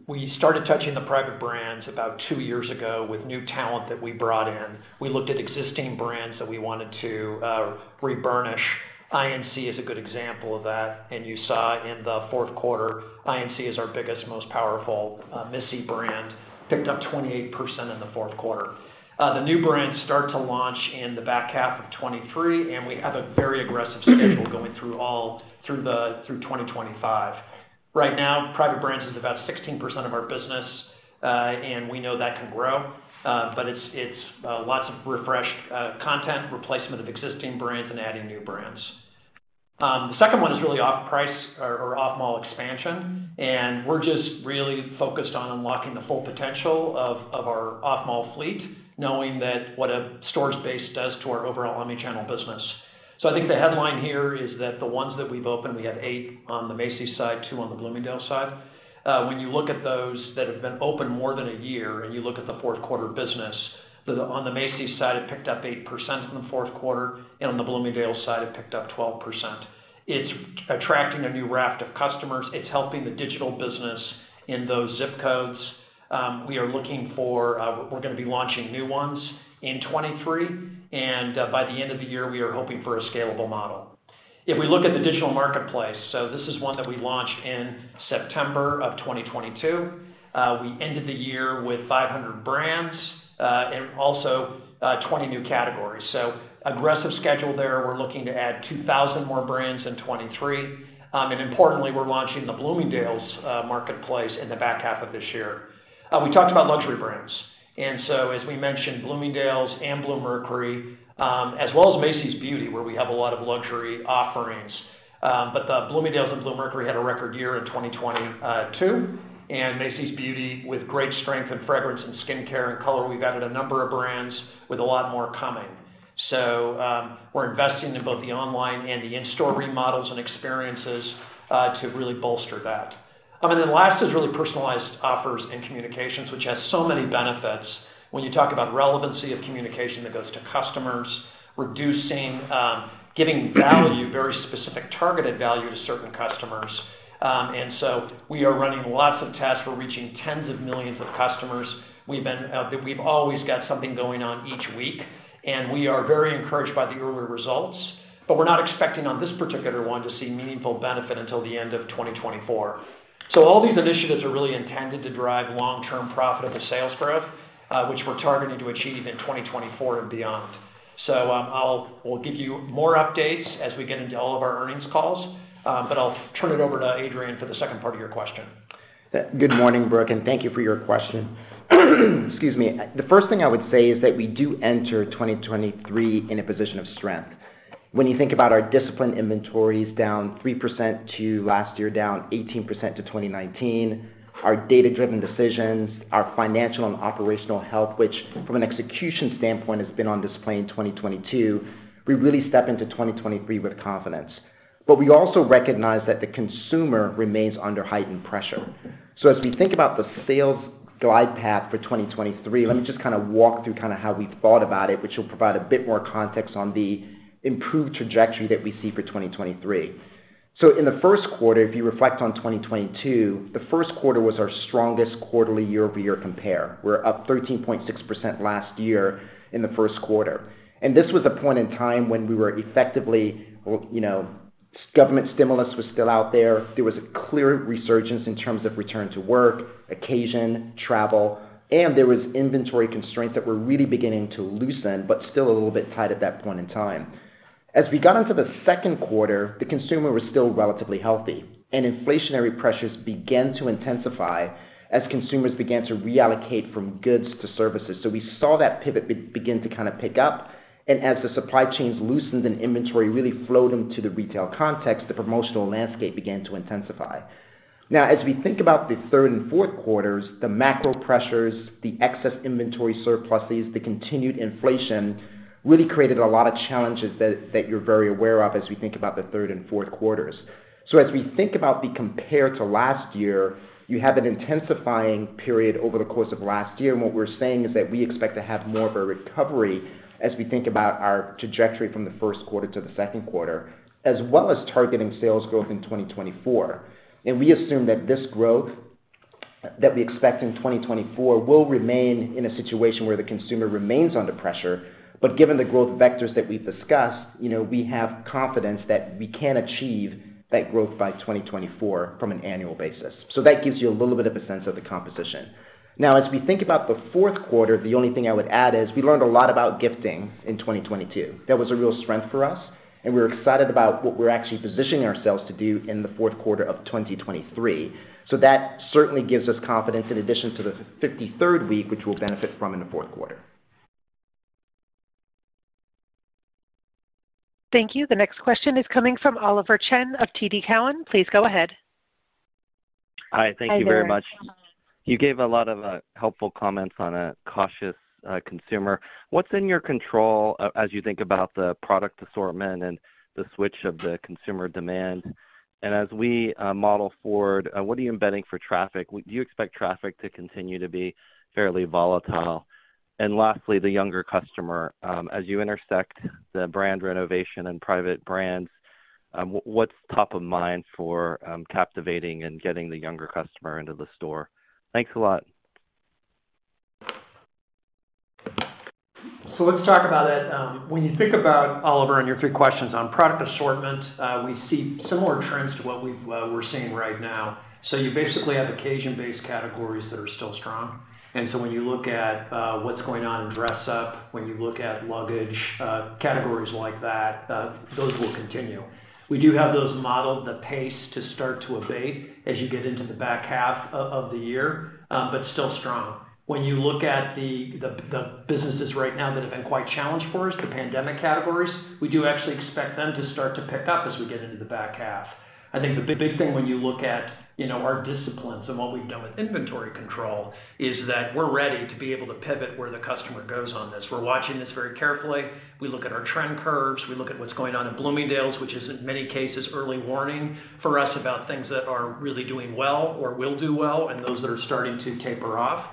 we started touching the private brands about two years ago with new talent that we brought in. We looked at existing brands that we wanted to re-burnish. INC is a good example of that. You saw in the fourth quarter, INC is our biggest, most powerful Macy brand, picked up 28% in the fourth quarter. The new brands start to launch in the back half of 2023. We have a very aggressive schedule going through 2025. Right now, private brands is about 16% of our business. We know that can grow. It's lots of refreshed content, replacement of existing brands, and adding new brands. The second one is really off-price or off-mall expansion. We're just really focused on unlocking the full potential of our off-mall fleet, knowing that what a storage base does to our overall omni-channel business. I think the headline here is that the ones that we've opened, we have eight on the Macy's side, two on the Bloomingdale's side. When you look at those that have been open more than a year, and you look at the fourth quarter business, on the Macy's side, it picked up 8% from the fourth quarter, and on the Bloomingdale's side, it picked up 12%. It's attracting a new raft of customers. It's helping the digital business in those zip codes. We are looking for, we're gonna be launching new ones in 2023, and by the end of the year, we are hoping for a scalable model. If we look at the digital marketplace, so this is one that we launched in September of 2022. We ended the year with 500 brands, and also, 20 new categories. Aggressive schedule there. We're looking to add 2,000 more brands in 2023. Importantly, we're launching the Bloomingdale's Marketplace in the back half of this year. We talked about luxury brands, as we mentioned, Bloomingdale's and Bluemercury, as well as Macy's Beauty, where we have a lot of luxury offerings. The Bloomingdale's and Bluemercury had a record year in 2022, and Macy's Beauty with great strength in fragrance and skincare and color. We've added a number of brands with a lot more coming. We're investing in both the online and the in-store remodels and experiences to really bolster that. Then last is really personalized offers and communications, which has so many benefits when you talk about relevancy of communication that goes to customers, reducing, giving value, very specific targeted value to certain customers. We are running lots of tests. We're reaching tens of millions of customers. We've always got something going on each week, and we are very encouraged by the early results, but we're not expecting on this particular one to see meaningful benefit until the end of 2024. All these initiatives are really intended to drive long-term profitable sales growth, which we're targeting to achieve in 2024 and beyond. We'll give you more updates as we get into all of our earnings calls, but I'll turn it over to Adrian for the second part of your question. Good morning, Brooke. Thank you for your question. Excuse me. The first thing I would say is that we do enter 2023 in a position of strength. When you think about our disciplined inventories down 3% to last year, down 18% to 2019, our data-driven decisions, our financial and operational health, which from an execution standpoint has been on display in 2022, we really step into 2023 with confidence. We also recognize that the consumer remains under heightened pressure. As we think about the sales glide path for 2023, let me just kinda walk through kinda how we thought about it, which will provide a bit more context on the improved trajectory that we see for 2023. In the first quarter, if you reflect on 2022, the first quarter was our strongest quarterly year-over-year compare. We're up 13.6% last year in the first quarter. This was a point in time when we were effectively, you know, government stimulus was still out there. There was a clear resurgence in terms of return to work, occasion, travel, and there was inventory constraints that were really beginning to loosen, but still a little bit tight at that point in time. As we got into the second quarter, the consumer was still relatively healthy, and inflationary pressures began to intensify as consumers began to reallocate from goods to services. We saw that pivot begin to kind of pick up, and as the supply chains loosened and inventory really flowed into the retail context, the promotional landscape began to intensify. As we think about the third and fourth quarters, the macro pressures, the excess inventory surpluses, the continued inflation really created a lot of challenges that you're very aware of as we think about the third and fourth quarters. As we think about the compare to last year, you have an intensifying period over the course of last year, what we're saying is that we expect to have more of a recovery as we think about our trajectory from the first quarter to the second quarter, as well as targeting sales growth in 2024. We assume that this growth that we expect in 2024 will remain in a situation where the consumer remains under pressure. Given the growth vectors that we've discussed, you know, we have confidence that we can achieve that growth by 2024 from an annual basis. That gives you a little bit of a sense of the composition. As we think about the fourth quarter, the only thing I would add is we learned a lot about gifting in 2022. That was a real strength for us, and we're excited about what we're actually positioning ourselves to do in the fourth quarter of 2023. That certainly gives us confidence in addition to the 53rd week, which we'll benefit from in the fourth quarter. Thank you. The next question is coming from Oliver Chen of TD Cowen. Please go ahead. Hi. Thank you very much. You gave a lot of helpful comments on a cautious consumer. What's in your control as you think about the product assortment and the switch of the consumer demand? As we model forward, what are you embedding for traffic? Do you expect traffic to continue to be fairly volatile? Lastly, the younger customer, as you intersect the brand renovation and private brands, what's top of mind for captivating and getting the younger customer into the store? Thanks a lot. Let's talk about it. When you think about, Oliver, and your three questions on product assortment, we see similar trends to what we're seeing right now. You basically have occasion-based categories that are still strong. When you look at, what's going on in dress up, when you look at luggage, categories like that, those will continue. We do have those modeled the pace to start to abate as you get into the back half of the year, but still strong. When you look at the businesses right now that have been quite challenged for us, the pandemic categories, we do actually expect them to start to pick up as we get into the back half. I think the big thing when you look at, you know, our disciplines and what we've done with inventory control is that we're ready to be able to pivot where the customer goes on this. We're watching this very carefully. We look at our trend curves. We look at what's going on in Bloomingdale's, which is in many cases early warning for us about things that are really doing well or will do well and those that are starting to taper off.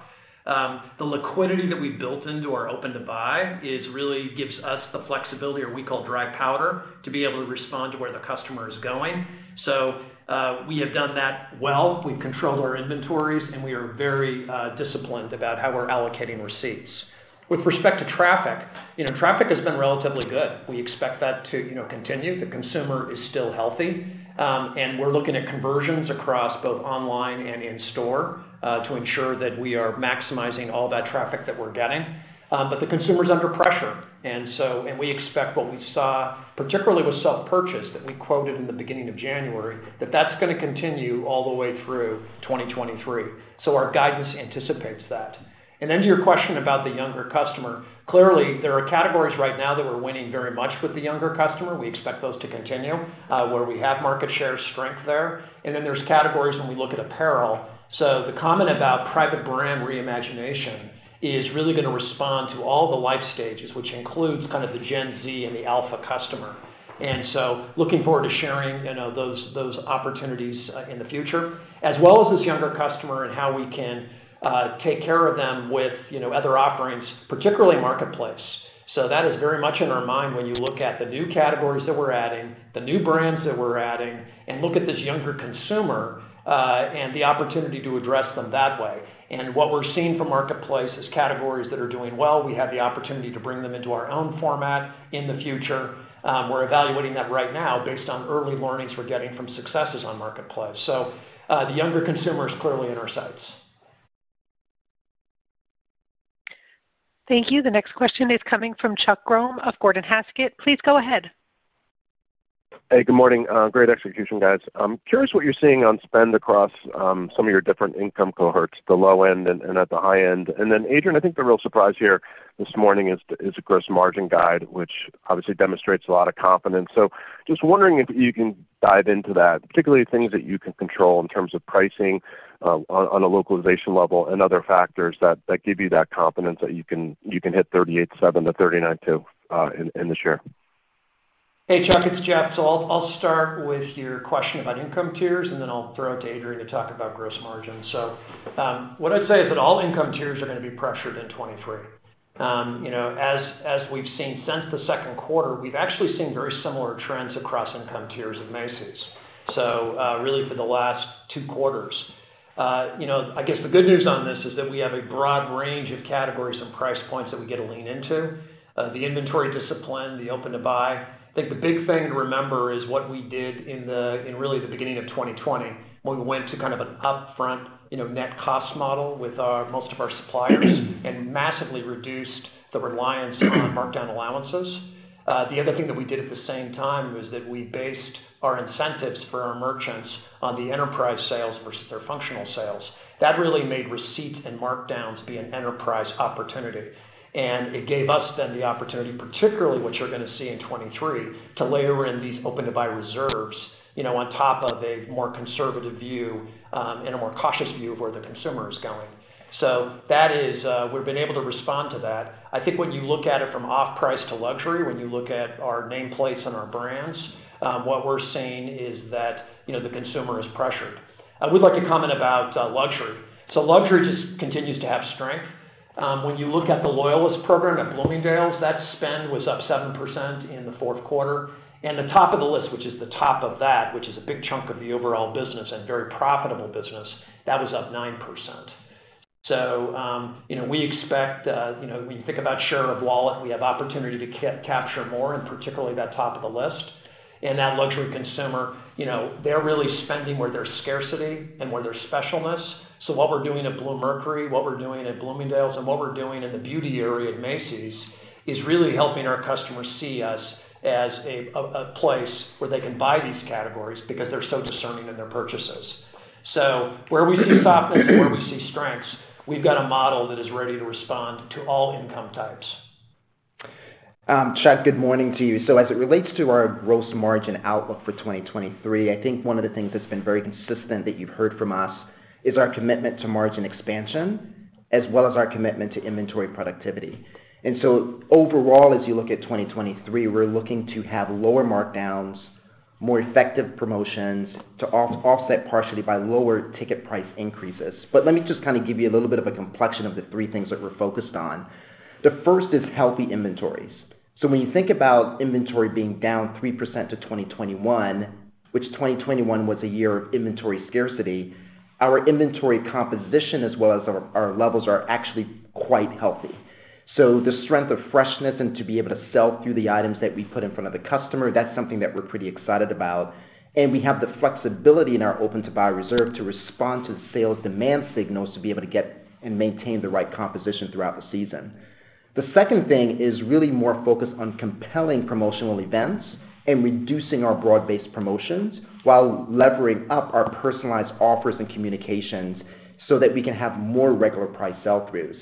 The liquidity that we built into our open to buy is really gives us the flexibility, or we call dry powder, to be able to respond to where the customer is going. We have done that well. We've controlled our inventories, and we are very disciplined about how we're allocating receipts. With respect to traffic, you know, traffic has been relatively good. We expect that to, you know, continue. The consumer is still healthy. We're looking at conversions across both online and in store to ensure that we are maximizing all that traffic that we're getting. The consumer is under pressure. We expect what we saw, particularly with self-purchase that we quoted in the beginning of January, that that's gonna continue all the way through 2023. Our guidance anticipates that. To your question about the younger customer, clearly, there are categories right now that we're winning very much with the younger customer. We expect those to continue where we have market share strength there. There's categories when we look at apparel. The comment about private brand reimagination is really gonna respond to all the life stages, which includes kind of the Gen Z and the alpha customer. Looking forward to sharing, you know, those opportunities in the future, as well as this younger customer and how we can take care of them with, you know, other offerings, particularly marketplace. That is very much in our mind when you look at the new categories that we're adding, the new brands that we're adding, and look at this younger consumer and the opportunity to address them that way. What we're seeing from marketplace is categories that are doing well. We have the opportunity to bring them into our own format in the future. We're evaluating that right now based on early learnings we're getting from successes on marketplace. The younger consumer is clearly in our sights. Thank you. The next question is coming from Chuck Grom of Gordon Haskett. Please go ahead. Hey, good morning. Great execution, guys. I'm curious what you're seeing on spend across some of your different income cohorts, the low end and at the high end. Then, Adrian, I think the real surprise here this morning is gross margin guide, which obviously demonstrates a lot of confidence. Just wondering if you can dive into that, particularly things that you can control in terms of pricing on a localization level and other factors that give you that confidence that you can hit 38.7%-39.2% in the share. Hey, Chuck, it's Jeff. I'll start with your question about income tiers, and then I'll throw it to Adrian Mitchell to talk about gross margin. What I'd say is that all income tiers are gonna be pressured in 2023. You know, as we've seen since the second quarter, we've actually seen very similar trends across income tiers at Macy's, really for the last two quarters. You know, I guess the good news on this is that we have a broad range of categories and price points that we get to lean into. The inventory discipline, the open to buy. I think the big thing to remember is what we did in really the beginning of 2020, when we went to kind of an upfront, you know, net cost model with most of our suppliers and massively reduced the reliance on markdown allowances. The other thing that we did at the same time was that we based our incentives for our merchants on the enterprise sales versus their functional sales. That really made receipts and markdowns be an enterprise opportunity. It gave us then the opportunity, particularly what you're gonna see in 2023, to layer in these open to buy reserves, you know, on top of a more conservative view, and a more cautious view of where the consumer is going. That is, we've been able to respond to that. I think when you look at it from off price to luxury, when you look at our nameplates and our brands, what we're seeing is that, you know, the consumer is pressured. I would like to comment about luxury. Luxury just continues to have strength. When you look at the Loyallist program at Bloomingdale's, that spend was up 7% in the fourth quarter. The top of the list, which is the top of that, which is a big chunk of the overall business and very profitable business, that was up 9%. You know, we expect, you know, when you think about share of wallet, we have opportunity to capture more, and particularly that top of the list. That luxury consumer, you know, they're really spending where there's scarcity and where there's specialness. What we're doing at Bluemercury, what we're doing at Bloomingdale's, and what we're doing in the beauty area at Macy's is really helping our customers see us as a place where they can buy these categories because they're so discerning in their purchases. Where we see softness, where we see strengths, we've got a model that is ready to respond to all income types. Chuck, good morning to you. As it relates to our gross margin outlook for 2023, I think one of the things that's been very consistent that you've heard from us is our commitment to margin expansion as well as our commitment to inventory productivity. Overall, as you look at 2023, we're looking to have lower markdowns, more effective promotions to offset partially by lower ticket price increases. Let me just kind of give you a little bit of a complexion of the three things that we're focused on. The first is healthy inventories. When you think about inventory being down 3% to 2021, which 2021 was a year of inventory scarcity, our inventory composition as well as our levels are actually quite healthy. The strength of freshness and to be able to sell through the items that we put in front of the customer. That's something that we're pretty excited about. We have the flexibility in our open to buy reserve to respond to the sales demand signals to be able to get and maintain the right composition throughout the season. The second thing is really more focused on compelling promotional events and reducing our broad-based promotions while levering up our personalized offers and communications so that we can have more regular price sell-throughs.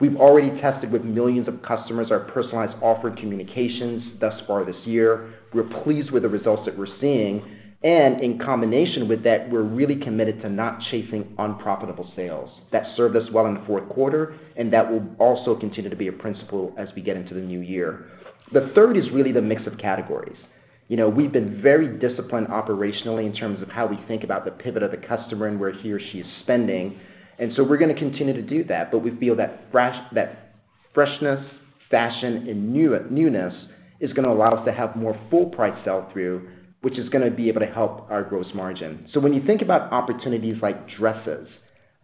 We've already tested with millions of customers our personalized offer communications thus far this year. We're pleased with the results that we're seeing. In combination with that, we're really committed to not chasing unprofitable sales. That served us well in the fourth quarter, that will also continue to be a principle as we get into the new year. The third is really the mix of categories. You know, we've been very disciplined operationally in terms of how we think about the pivot of the customer and where he or she is spending. We're gonna continue to do that. We feel that freshness, fashion, and new, newness is gonna allow us to have more full price sell-through, which is gonna be able to help our gross margin. When you think about opportunities like dresses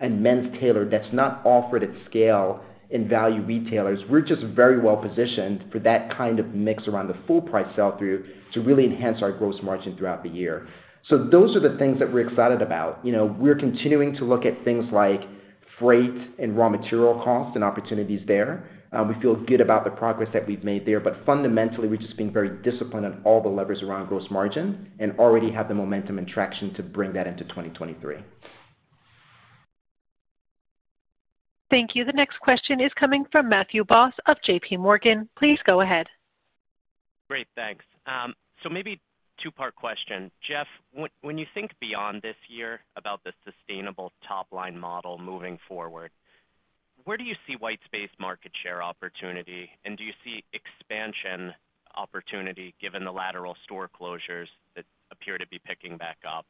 and men's tailored that's not offered at scale in value retailers, we're just very well positioned for that kind of mix around the full price sell-through to really enhance our gross margin throughout the year. Those are the things that we're excited about. You know, we're continuing to look at things like freight and raw material costs and opportunities there. We feel good about the progress that we've made there. Fundamentally, we're just being very disciplined on all the levers around gross margin and already have the momentum and traction to bring that into 2023. Thank you. The next question is coming from Matthew Boss of JPMorgan. Please go ahead. Great. Thanks. Maybe two-part question. Jeff, when you think beyond this year about the sustainable top-line model moving forward, where do you see white space market share opportunity, and do you see expansion opportunity given the lateral store closures that appear to be picking back up?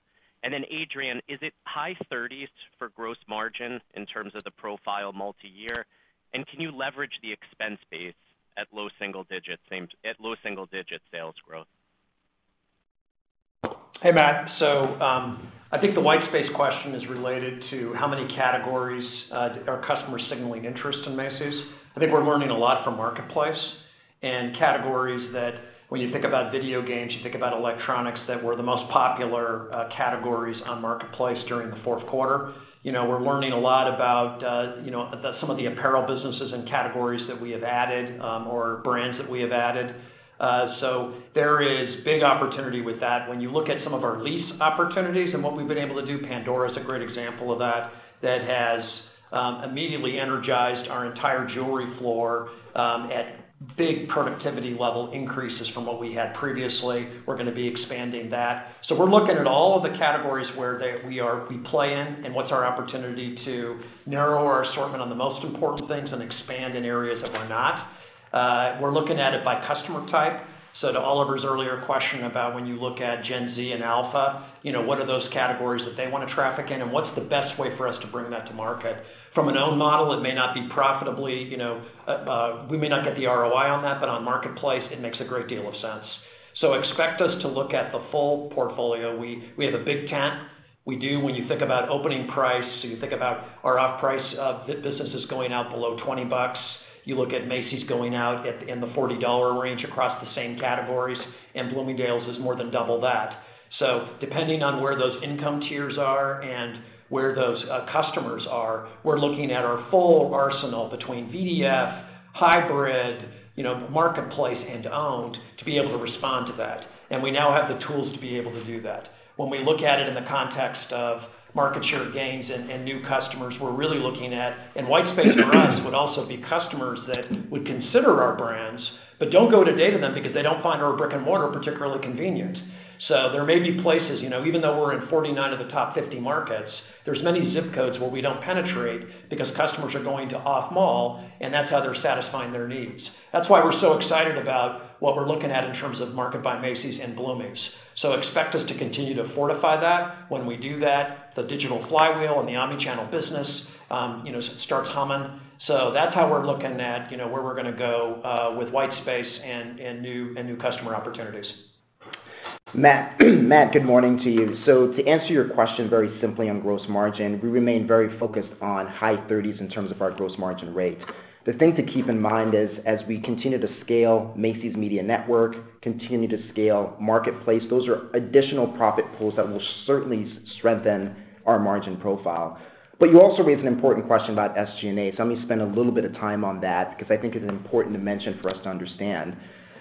Then Adrian, is it high 30s for gross margin in terms of the profile multi-year, and can you leverage the expense base at low single-digit sales growth? Hey, Matt. I think the white space question is related to how many categories are customers signaling interest in Macy's. I think we're learning a lot from Marketplace and categories that when you think about video games, you think about electronics that were the most popular categories on Marketplace during the fourth quarter. You know, we're learning a lot about, you know, some of the apparel businesses and categories that we have added or brands that we have added. There is big opportunity with that. When you look at some of our lease opportunities and what we've been able to do, Pandora is a great example of that has immediately energized our entire jewelry floor at big productivity level increases from what we had previously. We're gonna be expanding that. We're looking at all of the categories where we play in and what's our opportunity to narrow our assortment on the most important things and expand in areas that we're not. We're looking at it by customer type. To Oliver's earlier question about when you look at Gen Z and Alpha, you know, what are those categories that they wanna traffic in, and what's the best way for us to bring that to market? From an own model, it may not be profitably. You know, we may not get the ROI on that, but on Marketplace, it makes a great deal of sense. Expect us to look at the full portfolio. We have a big tent. We do. When you think about opening price, you think about our off-price businesses going out below $20. You look at Macy's going out in the $40 range across the same categories, Bloomingdale's is more than double that. Depending on where those income tiers are and where those customers are, we're looking at our full arsenal between VDF, hybrid, you know, Marketplace and owned to be able to respond to that. We now have the tools to be able to do that. We look at it in the context of market share gains and new customers, we're really looking at and white space for us would also be customers that would consider our brands but don't go to date with them because they don't find our brick-and-mortar particularly convenient. There may be places, you know, even though we're in 49 of the top 50 markets, there's many ZIP codes where we don't penetrate because customers are going to off mall, and that's how they're satisfying their needs. That's why we're so excited about what we're looking at in terms of Market by Macy's and Bloomie's. Expect us to continue to fortify that. When we do that, the digital flywheel and the omni-channel business, you know, starts humming. That's how we're looking at, you know, where we're gonna go with white space and new customer opportunities. Matt, good morning to you. To answer your question very simply on gross margin, we remain very focused on high thirties in terms of our gross margin rate. The thing to keep in mind is as we continue to scale Macy's Media Network, continue to scale Marketplace, those are additional profit pools that will certainly strengthen our margin profile. You also raised an important question about SG&A, let me spend a little bit of time on that because I think it's important to mention for us to understand.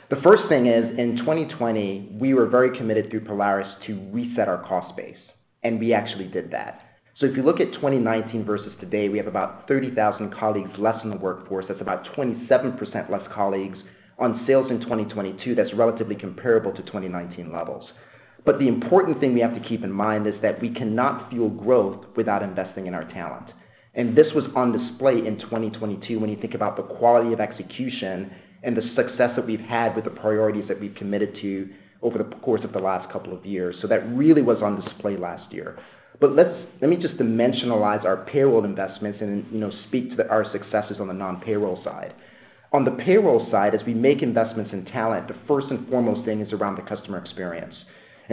The first thing is, in 2020, we were very committed through Polaris to reset our cost base, and we actually did that. If you look at 2019 versus today, we have about 30,000 colleagues less in the workforce. That's about 27% less colleagues on sales in 2022, that's relatively comparable to 2019 levels. The important thing we have to keep in mind is that we cannot fuel growth without investing in our talent. This was on display in 2022 when you think about the quality of execution and the success that we've had with the priorities that we've committed to over the course of the last couple of years. That really was on display last year. Let me just dimensionalize our payroll investments and, you know, speak to our successes on the non-payroll side. On the payroll side, as we make investments in talent, the first and foremost thing is around the customer experience.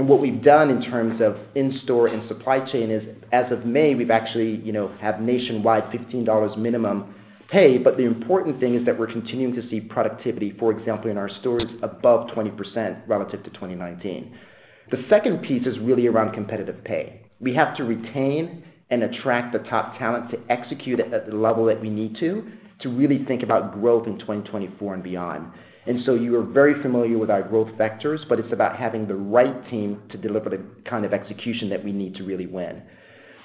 What we've done in terms of in-store and supply chain is, as of May, we've actually, you know, have nationwide $15 minimum pay. The important thing is that we're continuing to see productivity, for example, in our stores above 20% relative to 2019. The second piece is really around competitive pay. We have to retain and attract the top talent to execute at the level that we need to really think about growth in 2024 and beyond. You are very familiar with our growth vectors, but it's about having the right team to deliver the kind of execution that we need to really win.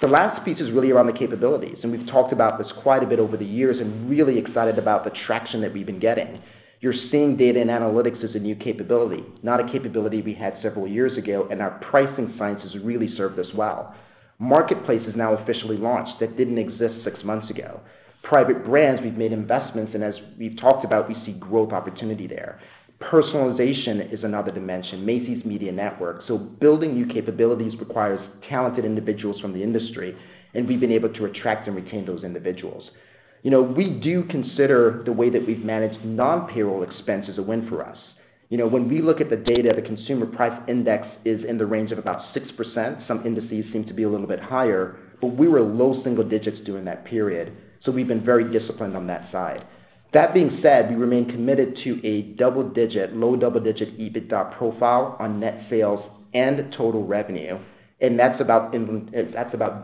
The last piece is really around the capabilities, and we've talked about this quite a bit over the years and really excited about the traction that we've been getting. You're seeing data and analytics as a new capability, not a capability we had several years ago, and our pricing science has really served us well. Marketplace is now officially launched. That didn't exist six months ago. Private brands, we've made investments, and as we've talked about, we see growth opportunity there. Personalization is another dimension, Macy's Media Network. Building new capabilities requires talented individuals from the industry, and we've been able to attract and retain those individuals. You know, we do consider the way that we've managed non-payroll expense as a win for us. You know, when we look at the data, the Consumer Price Index is in the range of about 6%. Some indices seem to be a little bit higher, but we were low single digits during that period, so we've been very disciplined on that side. That being said, we remain committed to a low double-digit EBITDA profile on net sales and total revenue, and that's about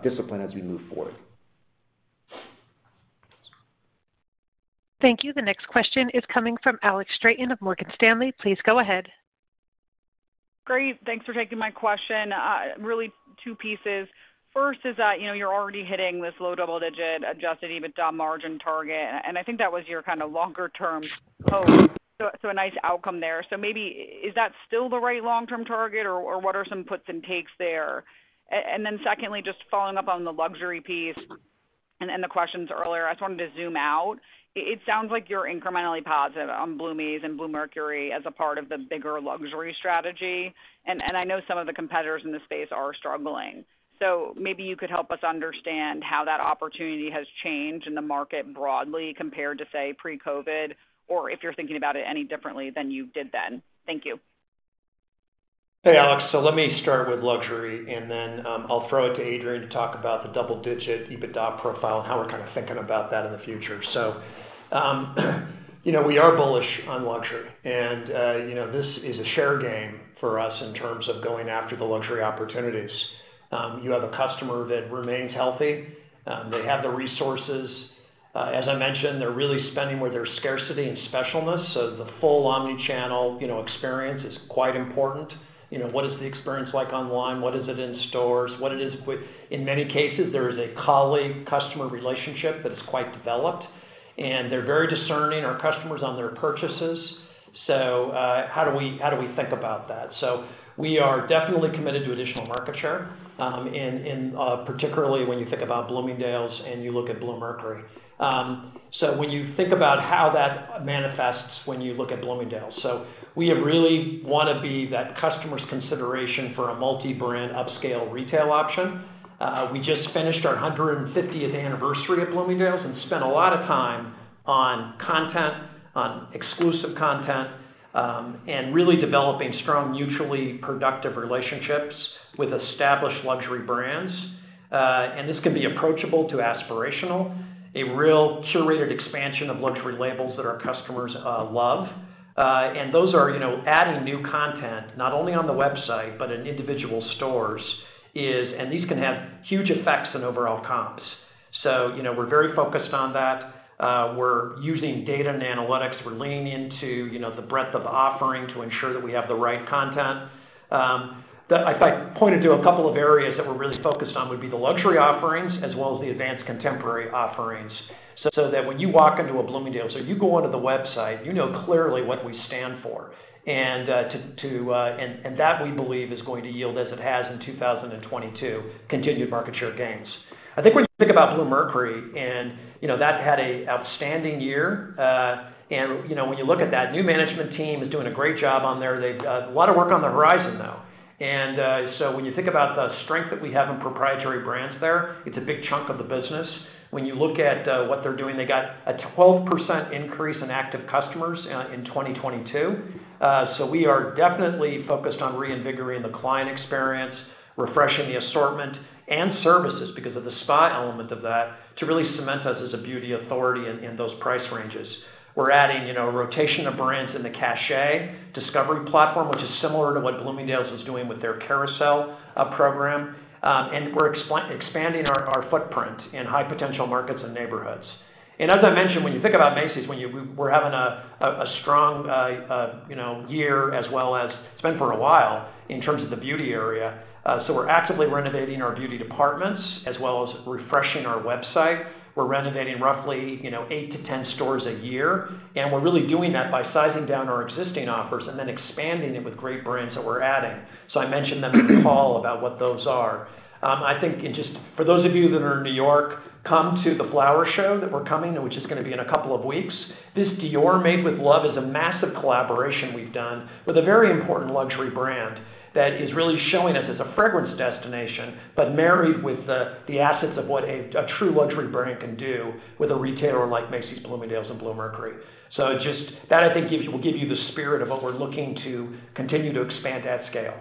discipline as we move forward. Thank you. The next question is coming from Alex Straton of Morgan Stanley. Please go ahead. Great. Thanks for taking my question. Really two pieces. First is that, you know, you're already hitting this low double-digit adjusted EBITDA margin target, and I think that was your kind of longer term goal. A nice outcome there. Maybe is that still the right long-term target or what are some puts and takes there? Then secondly, just following up on the luxury piece and the questions earlier, I just wanted to zoom out. It sounds like you're incrementally positive on Bloomie's and Bluemercury as a part of the bigger luxury strategy. I know some of the competitors in the space are struggling. Maybe you could help us understand how that opportunity has changed in the market broadly compared to, say, pre-COVID, or if you're thinking about it any differently than you did then. Thank you. Hey, Alex. Let me start with luxury, and then, I'll throw it to Adrian to talk about the double-digit EBITDA profile and how we're kind of thinking about that in the future. You know, we are bullish on luxury and, you know, this is a share game for us in terms of going after the luxury opportunities. You have a customer that remains healthy. They have the resources. As I mentioned, they're really spending where there's scarcity and specialness. The full omni-channel, you know, experience is quite important. You know, what is the experience like online? What is it in stores? What it is in many cases, there is a colleague-customer relationship that is quite developed, and they're very discerning our customers on their purchases. How do we think about that? We are definitely committed to additional market share, particularly when you think about Bloomingdale's and you look at Bluemercury. When you think about how that manifests when you look at Bloomingdale's. We have really wanna be that customer's consideration for a multi-brand upscale retail option. We just finished our 150th anniversary at Bloomingdale's and spent a lot of time on content, on exclusive content, and really developing strong, mutually productive relationships with established luxury brands. This can be approachable to aspirational, a real curated expansion of luxury labels that our customers love. Those are, you know, adding new content not only on the website, but in individual stores and these can have huge effects on overall comps. You know, we're very focused on that. We're using data and analytics. We're leaning into, you know, the breadth of offering to ensure that we have the right content. If I pointed to a couple of areas that we're really focused on would be the luxury offerings as well as the advanced contemporary offerings, so that when you walk into a Bloomingdale's or you go onto the website, you know clearly what we stand for. To, and that we believe is going to yield as it has in 2022, continued market share gains. I think when you think about Bluemercury and, you know, that had a outstanding year. And, you know, when you look at that new management team is doing a great job on there. They've a lot of work on the horizon, though. When you think about the strength that we have in proprietary brands there, it's a big chunk of the business. When you look at what they're doing, they got a 12% increase in active customers in 2022. We are definitely focused on reinvigorating the client experience, refreshing the assortment and services because of the spa element of that to really cement us as a beauty authority in those price ranges. We're adding, you know, a rotation of brands in The Cache discovery platform, which is similar to what Bloomingdale's is doing with their Carousel program. We're expanding our footprint in high potential markets and neighborhoods. As I mentioned, when you think about Macy's, we're having a strong, you know, year as well as it's been for a while in terms of the beauty area. We're actively renovating our beauty departments as well as refreshing our website. We're renovating roughly, you know, eight to 10 stores a year, and we're really doing that by sizing down our existing offers and then expanding it with great brands that we're adding. I mentioned them in the fall about what those are. I think for those of you that are in New York, come to the Flower Show that we're coming, which is gonna be in a couple of weeks. This Dior Made With Love is a massive collaboration we've done with a very important luxury brand that is really showing us as a fragrance destination, but married with the assets of what a true luxury brand can do with a retailer like Macy's, Bloomingdale's, and Bluemercury. That I think will give you the spirit of what we're looking to continue to expand at scale.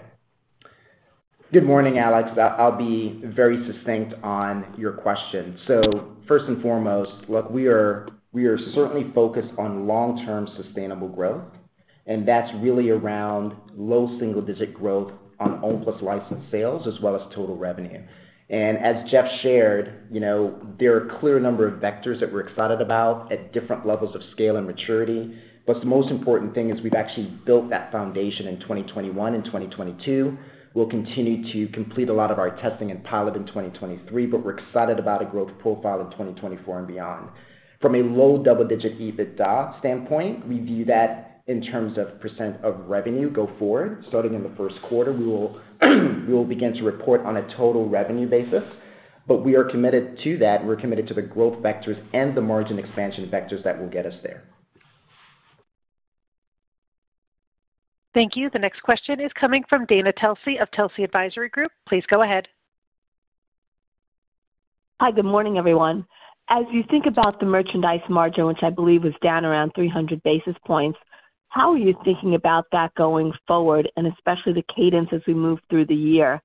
Good morning, Alex. I'll be very succinct on your question. First and foremost, look, we are certainly focused on long-term sustainable growth, and that's really around low single-digit growth on own plus licensed sales as well as total revenue. As Jeff shared, you know, there are a clear number of vectors that we're excited about at different levels of scale and maturity. The most important thing is we've actually built that foundation in 2021 and 2022. We'll continue to complete a lot of our testing and pilot in 2023, but we're excited about a growth profile in 2024 and beyond. From a low double-digit EBITDA standpoint, we view that in terms of percent of revenue go forward. Starting in the first quarter, we will begin to report on a total revenue basis. We are committed to that, and we're committed to the growth vectors and the margin expansion vectors that will get us there. Thank you. The next question is coming from Dana Telsey of Telsey Advisory Group. Please go ahead. Hi, good morning, everyone. As you think about the merchandise margin, which I believe was down around 300 basis points, how are you thinking about that going forward, especially the cadence as we move through the year?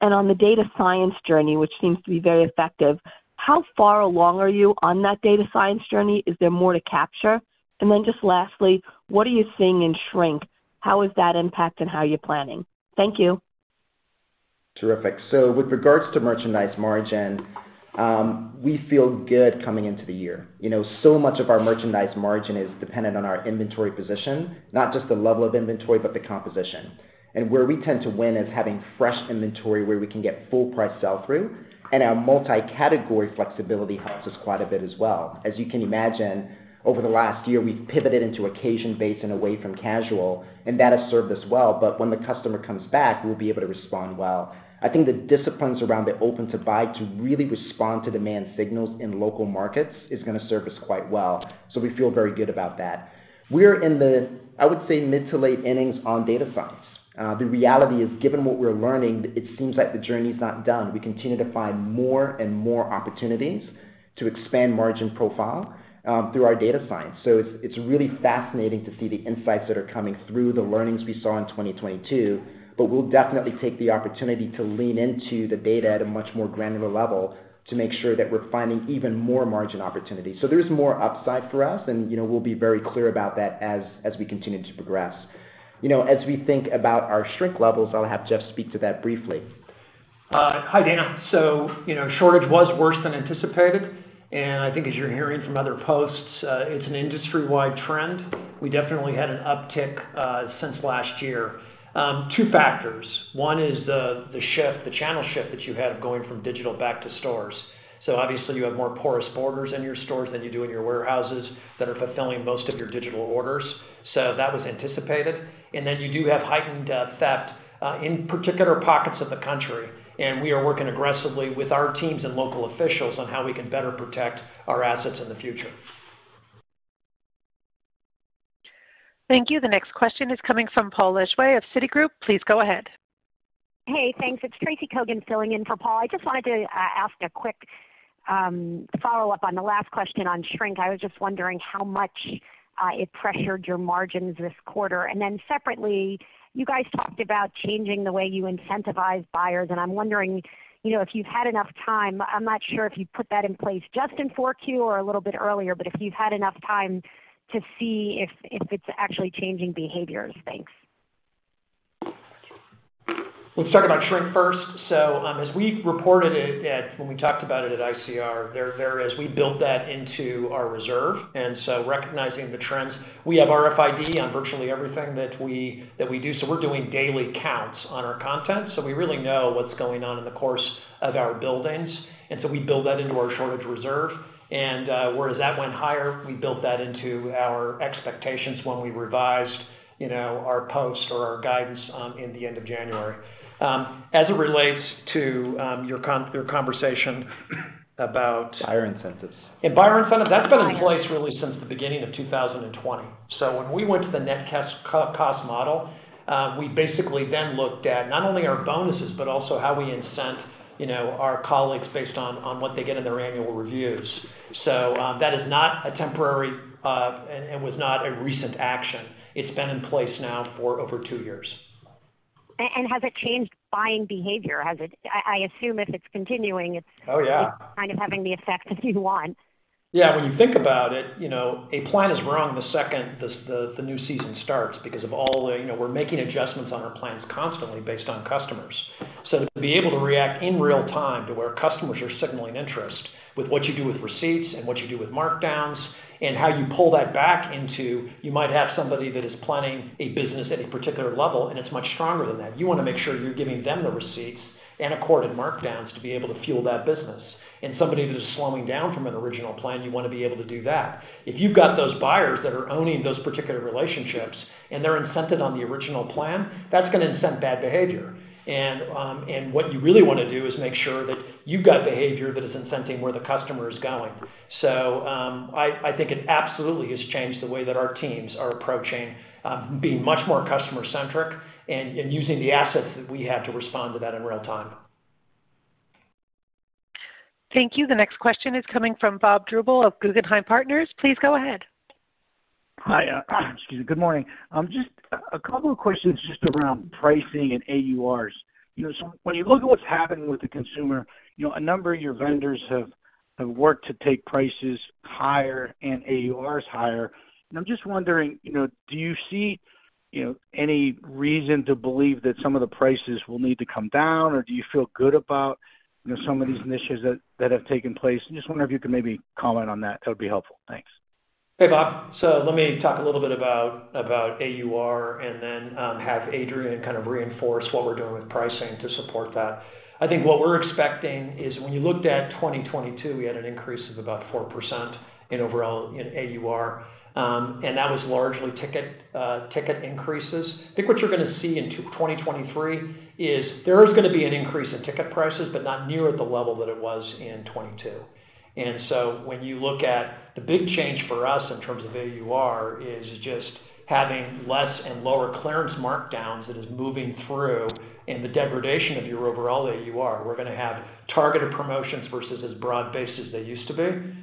On the data science journey, which seems to be very effective, how far along are you on that data science journey? Is there more to capture? Then just lastly, what are you seeing in shrink? How is that impacting how you're planning? Thank you. Terrific. With regards to merchandise margin, we feel good coming into the year. You know, so much of our merchandise margin is dependent on our inventory position, not just the level of inventory, but the composition. Where we tend to win is having fresh inventory, where we can get full price sell-through, and our multi-category flexibility helps us quite a bit as well. As you can imagine, over the last year, we've pivoted into occasion-based and away from casual, and that has served us well. When the customer comes back, we'll be able to respond well. I think the disciplines around the open to buy to really respond to demand signals in local markets is gonna serve us quite well. We feel very good about that. We're in the, I would say, mid to late innings on data science. The reality is, given what we're learning, it seems like the journey's not done. We continue to find more and more opportunities to expand margin profile through our data science. It's really fascinating to see the insights that are coming through the learnings we saw in 2022, but we'll definitely take the opportunity to lean into the data at a much more granular level to make sure that we're finding even more margin opportunities. There is more upside for us, and, you know, we'll be very clear about that as we continue to progress. You know, as we think about our shrink levels, I'll have Jeff speak to that briefly. Hi, Dana. You know, shortage was worse than anticipated, and I think as you're hearing from other posts, it's an industry-wide trend. We definitely had an uptick since last year. Two factors. One is the shift, the channel shift that you had of going from digital back to stores. Obviously you have more porous borders in your stores than you do in your warehouses that are fulfilling most of your digital orders. That was anticipated. You do have heightened theft in particular pockets of the country, and we are working aggressively with our teams and local officials on how we can better protect our assets in the future. Thank you. The next question is coming from Paul Lejuez of Citigroup. Please go ahead. Hey, thanks. It's Tracy Kogan filling in for Paul. I just wanted to ask a quick follow-up on the last question on shrink. I was just wondering how much it pressured your margins this quarter. Separately, you guys talked about changing the way you incentivize buyers, and I'm wondering, you know, if you've had enough time. I'm not sure if you put that in place just in Q4 or a little bit earlier. If you've had enough time to see if it's actually changing behaviors. Thanks. Let's talk about shrink first. As we reported it when we talked about it at ICR, we built that into our reserve, and so recognizing the trends. We have RFID on virtually everything that we do, so we're doing daily counts on our content, so we really know what's going on in the course of our buildings. We build that into our shortage reserve. Whereas that went higher, we built that into our expectations when we revised, you know, our post or our guidance in the end of January. As it relates to your conversation about. Buyer incentives. Buyer incentive, that's been in place really since the beginning of 2020. When we went to the net cost, co-cost model, we basically then looked at not only our bonuses, but also how we incent, you know, our colleagues based on what they get in their annual reviews. That is not a temporary, and was not a recent action. It's been in place now for over two years. Has it changed buying behavior? I assume if it's continuing. Oh, yeah.... it's kind of having the effect that you want. Yeah. When you think about it, you know, a plan is wrong the second the new season starts because of all the. You know, we're making adjustments on our plans constantly based on customers. To be able to react in real time to where customers are signaling interest with what you do with receipts and what you do with markdowns and how you pull that back into, you might have somebody that is planning a business at a particular level, and it's much stronger than that. You wanna make sure you're giving them the receipts and accorded markdowns to be able to fuel that business. Somebody that is slowing down from an original plan, you wanna be able to do that. If you've got those buyers that are owning those particular relationships and they're incented on the original plan, that's gonna incent bad behavior. What you really wanna do is make sure that you've got behavior that is incenting where the customer is going. I think it absolutely has changed the way that our teams are approaching, being much more customer-centric and using the assets that we have to respond to that in real time. Thank you. The next question is coming from Bob Drbul of Guggenheim Securities. Please go ahead. Hi. Excuse me. Good morning. Just a couple of questions just around pricing and AURs. You know, when you look at what's happening with the consumer, you know, a number of your vendors have worked to take prices higher and AURs higher. I'm just wondering, you know, do you see, you know, any reason to believe that some of the prices will need to come down, or do you feel good about, you know, some of these initiatives that have taken place? Just wondering if you could maybe comment on that. That would be helpful. Thanks. Hey, Bob. Let me talk a little bit about AUR and then, have Adrian kind of reinforce what we're doing with pricing to support that. I think what we're expecting is when you looked at 2022, we had an increase of about 4% in overall AUR, and that was largely ticket increases. I think what you're gonna see in 2023 is there is gonna be an increase in ticket prices, but not near at the level that it was in 2022. When you look at the big change for us in terms of AUR is just having less and lower clearance markdowns that is moving through in the degradation of your overall AUR. We're gonna have targeted promotions versus as broad-based as they used to be.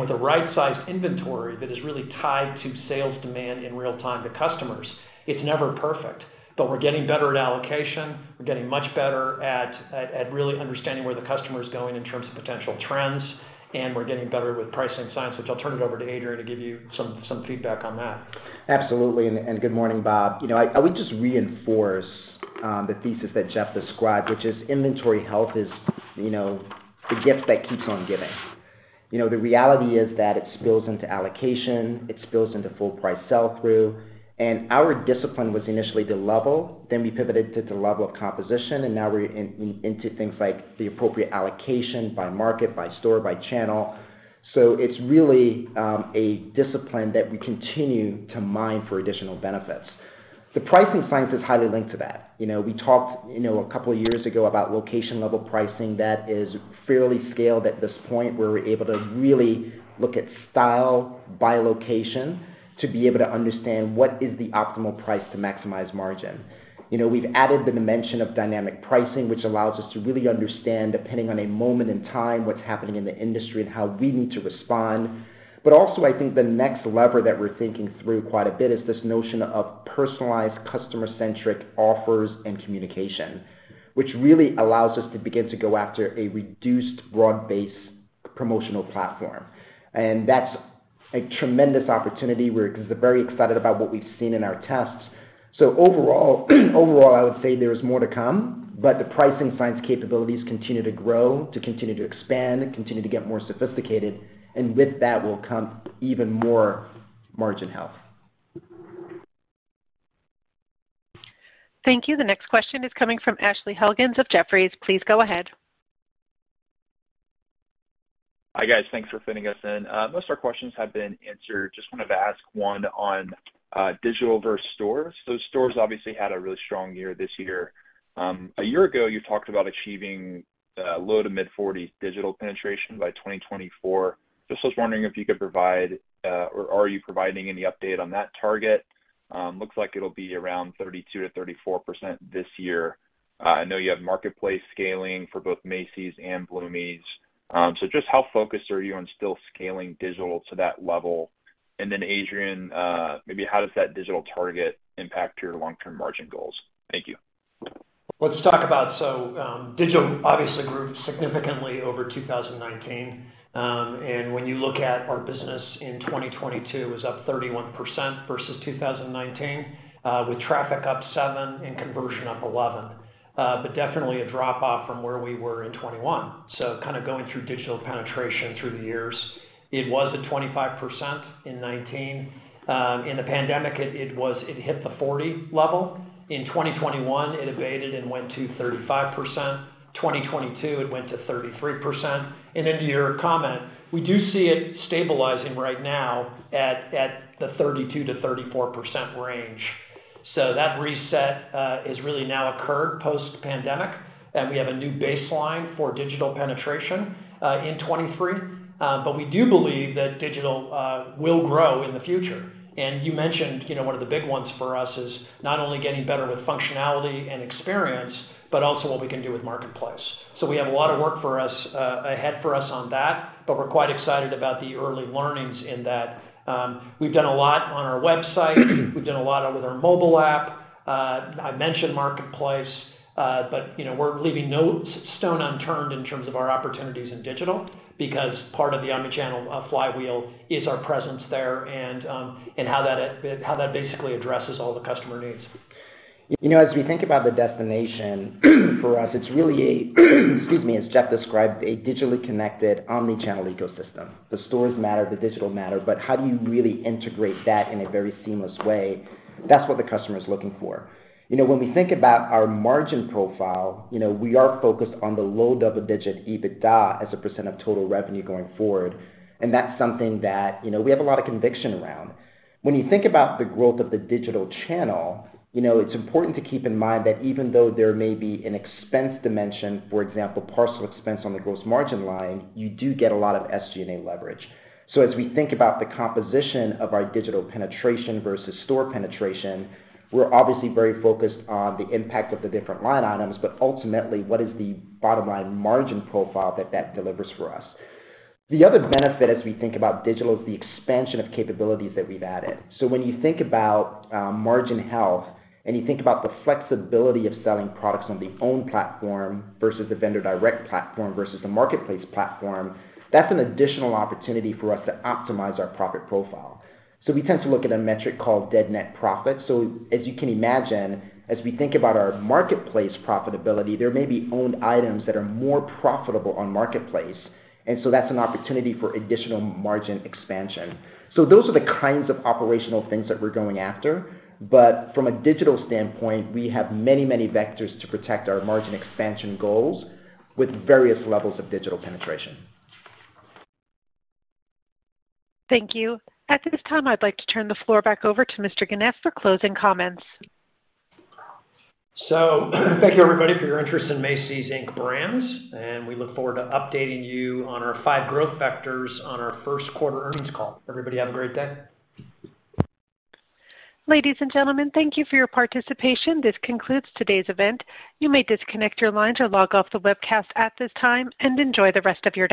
With a right-sized inventory that is really tied to sales demand in real time to customers. It's never perfect, but we're getting better at allocation. We're getting much better at really understanding where the customer is going in terms of potential trends. We're getting better with pricing science, which I'll turn it over to Adrian to give you some feedback on that. Absolutely. Good morning, Bob. You know, I would just reinforce the thesis that Jeff described, which is inventory health is, you know, the gift that keeps on giving. You know, the reality is that it spills into allocation, it spills into full price sell-through. Our discipline was initially to level, then we pivoted to the level of composition, and now we're into things like the appropriate allocation by market, by store, by channel. It's really a discipline that we continue to mine for additional benefits. The pricing science is highly linked to that. You know, we talked, you know, a couple years ago about location-level pricing that is fairly scaled at this point, where we're able to really look at style by location to be able to understand what is the optimal price to maximize margin. You know, we've added the dimension of dynamic pricing, which allows us to really understand, depending on a moment in time, what's happening in the industry and how we need to respond. Also, I think the next lever that we're thinking through quite a bit is this notion of personalized customer-centric offers and communication, which really allows us to begin to go after a reduced broad-based promotional platform. That's a tremendous opportunity. We're very excited about what we've seen in our tests. Overall, I would say there is more to come, but the pricing science capabilities continue to grow, continue to expand, continue to get more sophisticated, and with that will come even more margin health. Thank you. The next question is coming from Ashley Helgans of Jefferies. Please go ahead. Hi, guys. Thanks for fitting us in. Most of our questions have been answered. Just wanted to ask one on digital versus stores. Stores obviously had a really strong year this year. A year ago, you talked about achieving low to mid-40s digital penetration by 2024. Just was wondering if you could provide or are you providing any update on that target? Looks like it'll be around 32%-34% this year. I know you have marketplace scaling for both Macy's and Bloomingdale's. Just how focused are you on still scaling digital to that level? Adrian, maybe how does that digital target impact your long-term margin goals? Thank you. Let's talk about digital obviously grew significantly over 2019. When you look at our business in 2022, it was up 31% versus 2019, with traffic up 7% and conversion up 11%. Definitely a drop off from where we were in 2021. Kind of going through digital penetration through the years. It was at 25% in 2019. In the pandemic, it hit the 40% level. In 2021, it abated and went to 35%. 2022, it went to 33%. To your comment, we do see it stabilizing right now at the 32%-34% range. That reset has really now occurred post-pandemic, and we have a new baseline for digital penetration in 2023. We do believe that digital will grow in the future. You mentioned, you know, one of the big ones for us is not only getting better with functionality and experience, but also what we can do with marketplace. We have a lot of work for us ahead for us on that, but we're quite excited about the early learnings in that. We've done a lot on our website. We've done a lot with our mobile app. I mentioned marketplace, but, you know, we're leaving no stone unturned in terms of our opportunities in digital because part of the omni-channel flywheel is our presence there and how that basically addresses all the customer needs. You know, as we think about the destination for us, it's really a excuse me, as Jeff Gennette described, a digitally connected omni-channel ecosystem. The stores matter, the digital matter, but how do you really integrate that in a very seamless way? That's what the customer is looking for. You know, when we think about our margin profile, you know, we are focused on the low double-digit EBITDA as a percent of total revenue going forward. That's something that, you know, we have a lot of conviction around. When you think about the growth of the digital channel, you know, it's important to keep in mind that even though there may be an expense dimension, for example, parcel expense on the gross margin line, you do get a lot of SG&A leverage. As we think about the composition of our digital penetration versus store penetration, we're obviously very focused on the impact of the different line items. Ultimately, what is the bottom line margin profile that that delivers for us? The other benefit as we think about digital is the expansion of capabilities that we've added. When you think about margin health and you think about the flexibility of selling products on the own platform versus the vendor direct platform versus the marketplace platform, that's an additional opportunity for us to optimize our profit profile. We tend to look at a metric called dead net profit. As you can imagine, as we think about our marketplace profitability, there may be owned items that are more profitable on marketplace, and so that's an opportunity for additional margin expansion. Those are the kinds of operational things that we're going after. From a digital standpoint, we have many vectors to protect our margin expansion goals with various levels of digital penetration. Thank you. At this time, I'd like to turn the floor back over to Mr. Gennette for closing comments. Thank you, everybody, for your interest in Macy's, Inc. Brands, and we look forward to updating you on our five growth vectors on our first quarter earnings call. Everybody, have a great day. Ladies and gentlemen, thank you for your participation. This concludes today's event. You may disconnect your lines or log off the webcast at this time and enjoy the rest of your day.